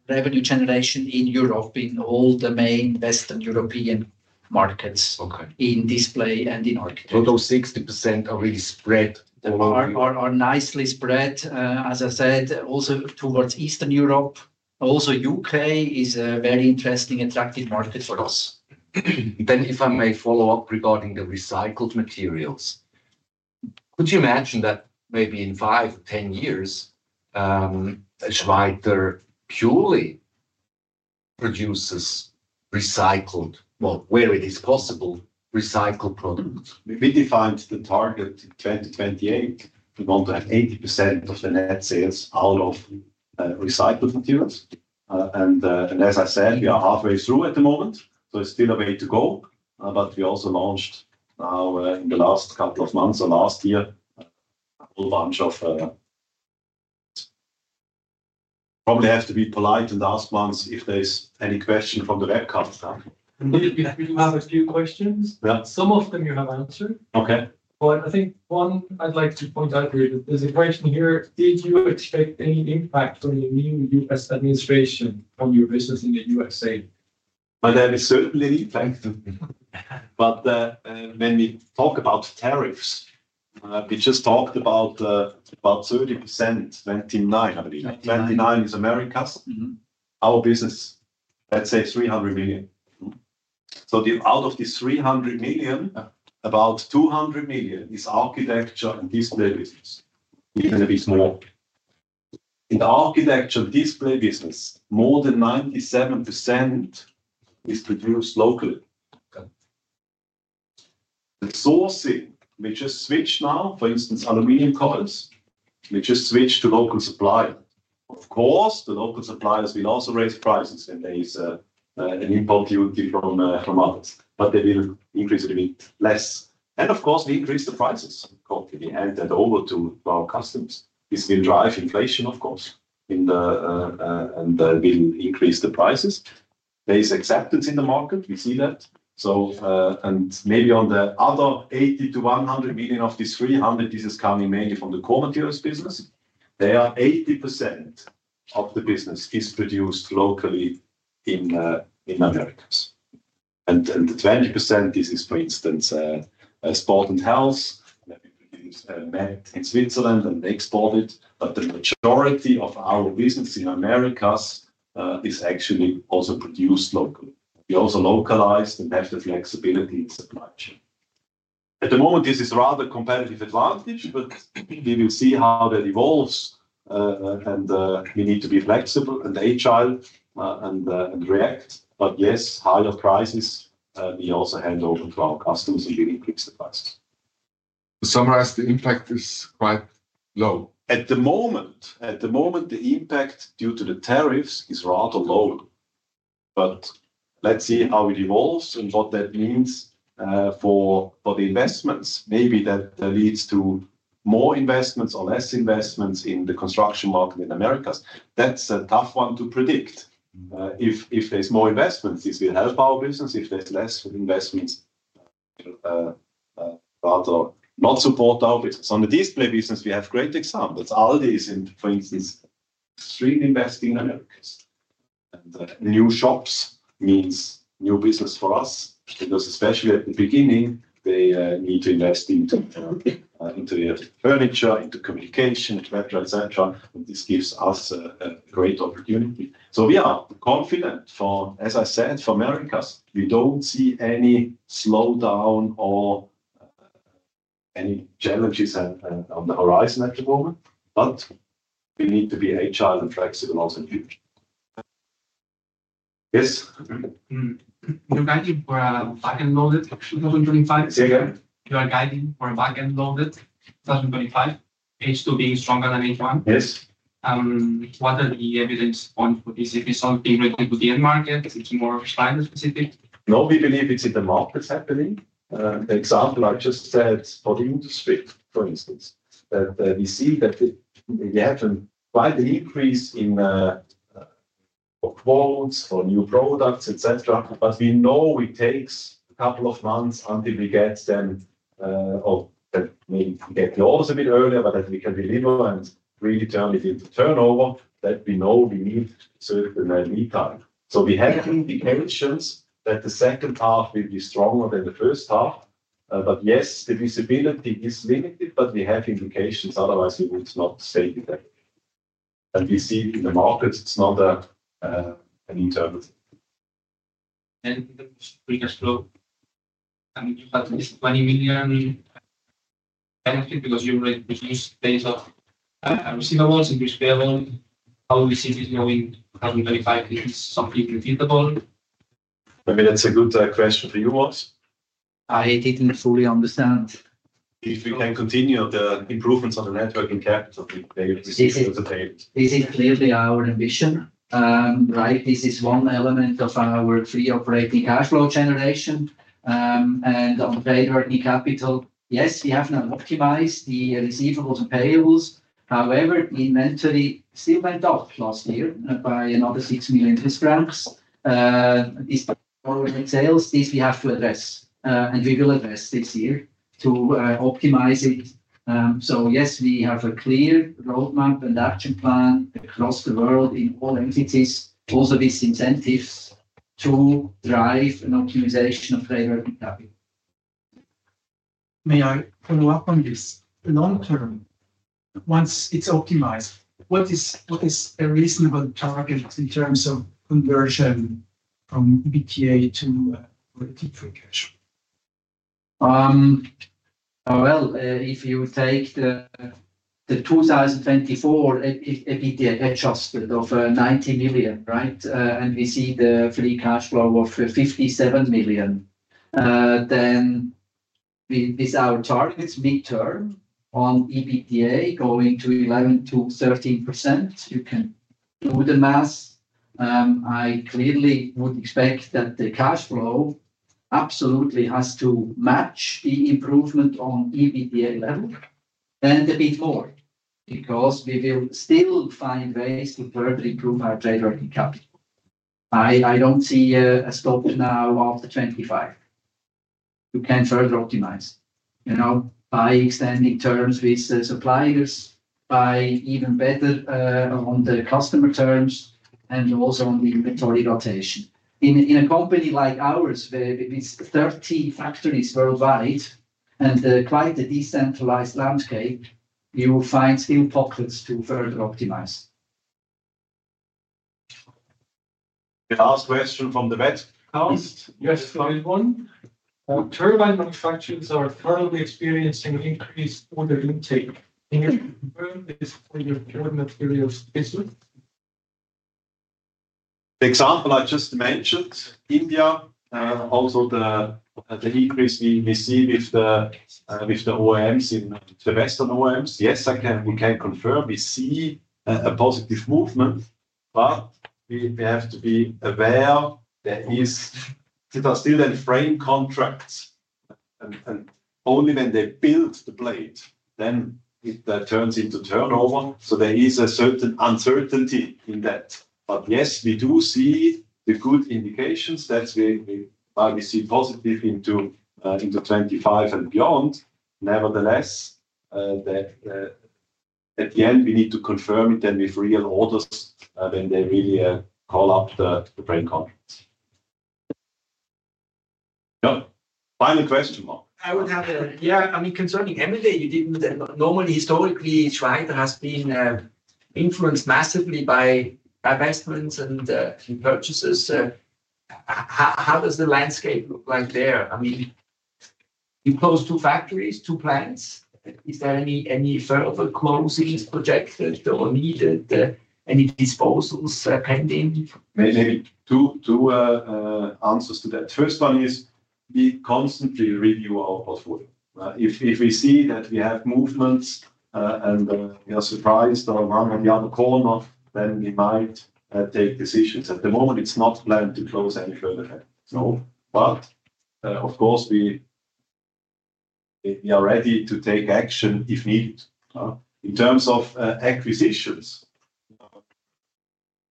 revenue generation in Europe in all the main Western European markets in display and in architecture. Those 60% are really spread, are nicely spread, as I said, also towards Eastern Europe. Also, U.K. is a very interesting, attractive market for us. If I may follow up regarding the recycled materials, could you imagine that maybe in five or ten years, Schweiter purely produces recycled, well, where it is possible, recycled products? We defined the target in 2028. We want to have 80% of the net sales out of recycled materials. As I said, we are halfway through at the moment. It is still a way to go. We also launched now in the last couple of months or last year a whole bunch of. Probably have to be polite and ask once if there is any question from the webcast. We do have a few questions. Some of them you have answered. I think one I would like to point out here is a question here. Did you expect any impact from the new US administration on your business in the US? My name is certainly. Thank you. When we talk about tariffs, we just talked about 30%, 29, I believe. 29% is Americas. Our business, let's say $300 million. Out of this $300 million, about $200 million is architecture and display business, even a bit more. In the architecture and display business, more than 97% is produced locally. The sourcing, we just switched now, for instance, aluminum colors, we just switched to local supplier. Of course, the local suppliers will also raise prices when there is an import duty from others, but they will increase a little bit less. Of course, we increase the prices completely and then over to our customers. This will drive inflation, of course, and will increase the prices. There is acceptance in the market. We see that. Maybe on the other $80 million-$100 million of these $300 million, this is coming mainly from the core materials business. They are 80% of the business is produced locally in Americas. The 20%, this is, for instance, sport and health. We produce meth in Switzerland and export it. The majority of our business in Americas is actually also produced locally. We also localize and have the flexibility in supply chain. At the moment, this is rather a competitive advantage, but we will see how that evolves. We need to be flexible and agile and react. Yes, higher prices, we also hand over to our customers and we increase the prices. To summarize, the impact is quite low. At the moment, the impact due to the tariffs is rather low. Let's see how it evolves and what that means for the investments. Maybe that leads to more investments or less investments in the construction market in Americas. That's a tough one to predict. If there's more investments, this will help our business. If there's less investments, rather not support our business. On the display business, we have great examples. Aldi is, for instance, straight investing in Americas. New shops means new business for us, because especially at the beginning, they need to invest into furniture, into communication, etc., etc. This gives us a great opportunity. We are confident for, as I said, for Americas, we don't see any slowdown or any challenges on the horizon at the moment. We need to be agile and flexible also in the future. Yes? You're guiding for a back-end loaded 2025? Yeah, yeah. You are guiding for a back-end loaded 2025? H2 being stronger than H1? Yes. What are the evidence points for this? If it's something related to the end market, it's more Schweiter-specific? No, we believe it's in the markets happening. The example I just said for the industry, for instance, that we see that we have quite an increase in quotes for new products, etc. We know it takes a couple of months until we get them, or maybe we get the orders a bit earlier, but that we can deliver and really turn it into turnover, that we know we need certain lead time. We have indications that the second half will be stronger than the first half. Yes, the visibility is limited, but we have indications. Otherwise, we would not stay with that. We see it in the markets. It's not an internal thing. The previous flow, I mean, you had at least 20 million benefit because you already produce base of receivables and prepayables. How do we see this going 2025? Is it something repeatable? I mean, that's a good question for you also. I didn't fully understand. If we can continue the improvements on the net working capital, they will be super sustainable. This is clearly our ambition, right? This is one element of our free operating cash flow generation. On net working capital, yes, we have now optimized the receivables and payables. However, the inventory still went up last year by another 6 million francs. These net sales, this we have to address. We will address this year to optimize it. Yes, we have a clear roadmap and action plan across the world in all entities, also with incentives to drive an optimization of net working capital. May I follow up on this? Long term, once it's optimized, what is a reasonable target in terms of conversion from EBITDA to free cash? If you take the 2024 EBITDA adjusted of 90 million, right, and we see the free cash flow of 57 million, then with our targets mid-term on EBITDA going to 11-13%, you can do the math. I clearly would expect that the cash flow absolutely has to match the improvement on EBITDA level and a bit more, because we will still find ways to further improve our networking capital. I do not see a stop now after 2025. You can further optimize by extending terms with suppliers, by even better on the customer terms, and also on the inventory rotation. In a company like ours, with 30 factories worldwide and quite a decentralized landscape, you will find still pockets to further optimize. Last question from the webcast. Yes, there is one. Turbine manufacturers are currently experiencing an increase in order intake. Can you confirm this for your core materials business? The example I just mentioned, India, also the increase we see with the OEMs in the Western OEMs. Yes, we can confirm we see a positive movement, but we have to be aware there are still then frame contracts, and only when they build the blade, then it turns into turnover. There is a certain uncertainty in that. Yes, we do see the good indications that we see positive into 2025 and beyond. Nevertheless, at the end, we need to confirm it then with real orders when they really call up the frame contracts. Yeah. Final question, Mark. I would have a, yeah, I mean, concerning M&A, you did not, normally historically, Schweiter has been influenced massively by investments and purchases. How does the landscape look like there? I mean, you close two factories, two plants. Is there any further closings projected or needed? Any disposals pending? Maybe two answers to that. First one is we constantly review our portfolio. If we see that we have movements and we are surprised on one or the other corner, then we might take decisions. At the moment, it's not planned to close any further there. Of course, we are ready to take action if needed. In terms of acquisitions,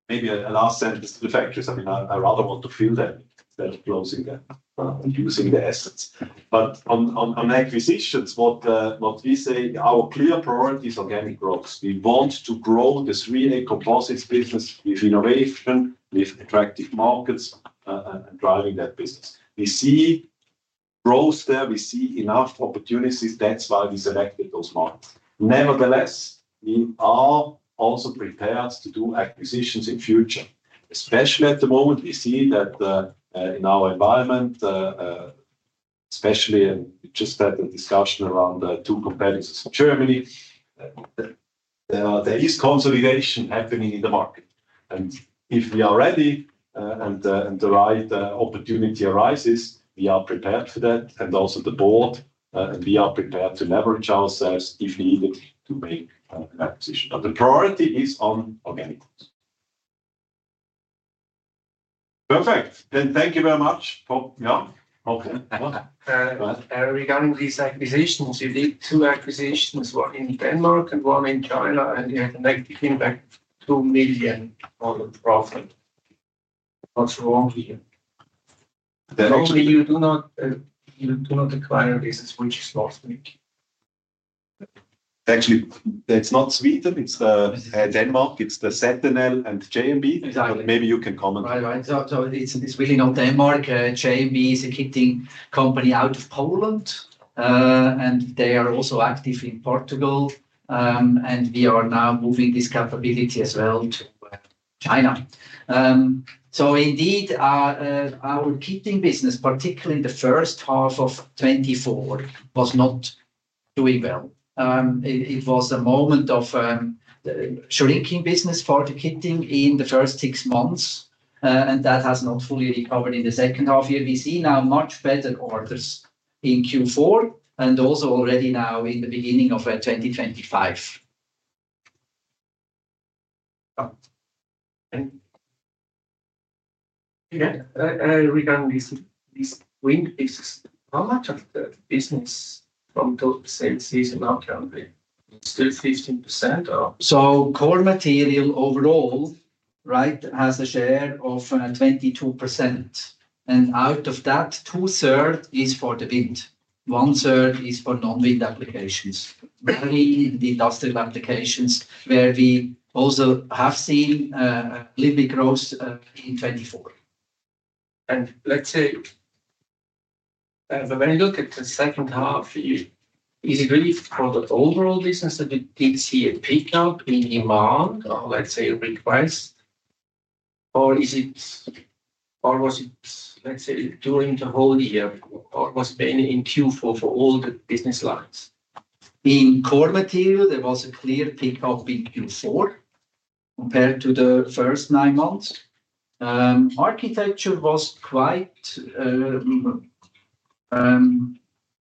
maybe a last sentence to the factories. I mean, I rather want to fill them instead of closing them and using the assets. On acquisitions, what we say, our clear priority is organic growth. We want to grow the 3A Composites business with innovation, with attractive markets and driving that business. We see growth there. We see enough opportunities. That's why we selected those markets. Nevertheless, we are also prepared to do acquisitions in the future. Especially at the moment, we see that in our environment, especially we just had a discussion around two competitors in Germany. There is consolidation happening in the market. If we are ready and the right opportunity arises, we are prepared for that. Also the board, and we are prepared to leverage ourselves if needed to make an acquisition. The priority is on organic growth. Perfect. Thank you very much. Yeah? Okay. Regarding these acquisitions, you did two acquisitions, one in Denmark and one in China, and you had a negative impact, 2 million on the profit. What's wrong here? Normally, you do not acquire business, which is not Sweden. Actually, it's not Sweden. It's Denmark. It's the Sentinel and JMB. Maybe you can comment on that. Right. It's really not Denmark. JMB is a kitting company out of Poland. They are also active in Portugal. We are now moving this capability as well to China. Indeed, our kitting business, particularly in the first half of 2024, was not doing well. It was a moment of shrinking business for the kitting in the first six months. That has not fully recovered in the second half year. We see now much better orders in Q4 and also already now in the beginning of 2025. Yeah. Regarding this wind, how much of the business from those sales is in our country? It is still 15% or? Core material overall, right, has a share of 22%. Out of that, two-thirds is for the wind. One-third is for non-wind applications, mainly in the industrial applications, where we also have seen a little bit growth in 2024. When you look at the second half, is it really for the overall business that we did see a pickup in demand or, let's say, a request? Or was it during the whole year? Or was it mainly in Q4 for all the business lines? In core material, there was a clear pickup in Q4 compared to the first nine months. Architecture was quite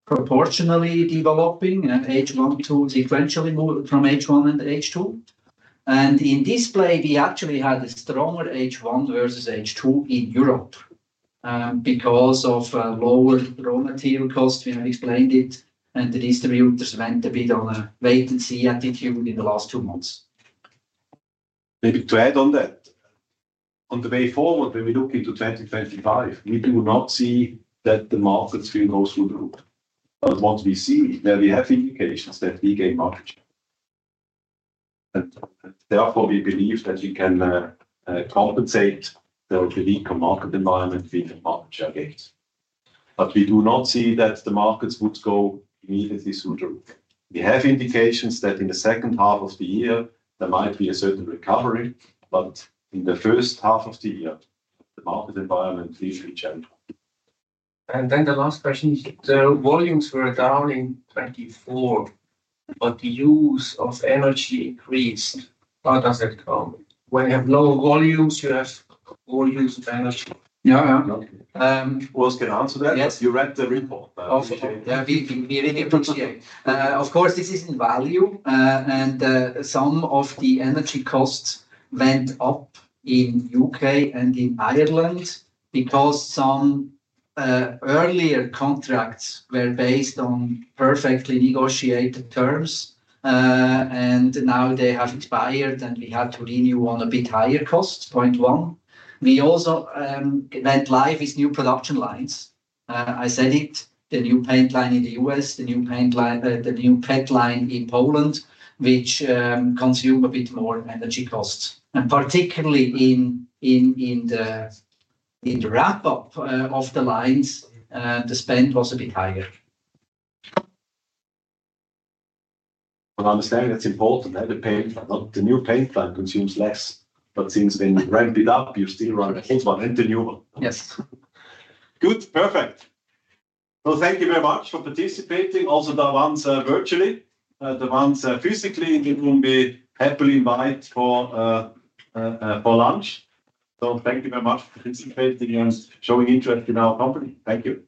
proportionally developing and H1 to sequentially moved from H1 and H2. In display, we actually had a stronger H1 versus H2 in Europe because of lower raw material costs. We have explained it. The distributors went a bit on a wait-and-see attitude in the last two months. Maybe to add on that, on the way forward, when we look into 2025, we do not see that the markets will go through the roof. What we see, where we have indications that we gain market share. Therefore, we believe that we can compensate the weaker market environment with market share gains. We do not see that the markets would go immediately through the roof. We have indications that in the second half of the year, there might be a certain recovery. In the first half of the year, the market environment will reach end. The last question is, the volumes were down in 2024, but the use of energy increased. How does that come? When you have low volumes, you have more use of energy. Yeah, yeah. Who else can answer that? You read the report. We read it. Of course, this is in value. Some of the energy costs went up in the U.K. and in Ireland because some earlier contracts were based on perfectly negotiated terms. Now they have expired, and we had to renew on a bit higher cost, point one. We also went live with new production lines. I said it, the new paint line in the U.S., the new PET line in Poland, which consumed a bit more energy costs. Particularly in the ramp-up of the lines, the spend was a bit higher. I understand that's important. The new paint line consumes less. Since when you ramp it up, you still run the old one and the new one. Yes. Good. Perfect. Thank you very much for participating. Also, the ones virtually, the ones physically in the room, we happily invite for lunch. Thank you very much for participating and showing interest in our company. Thank you.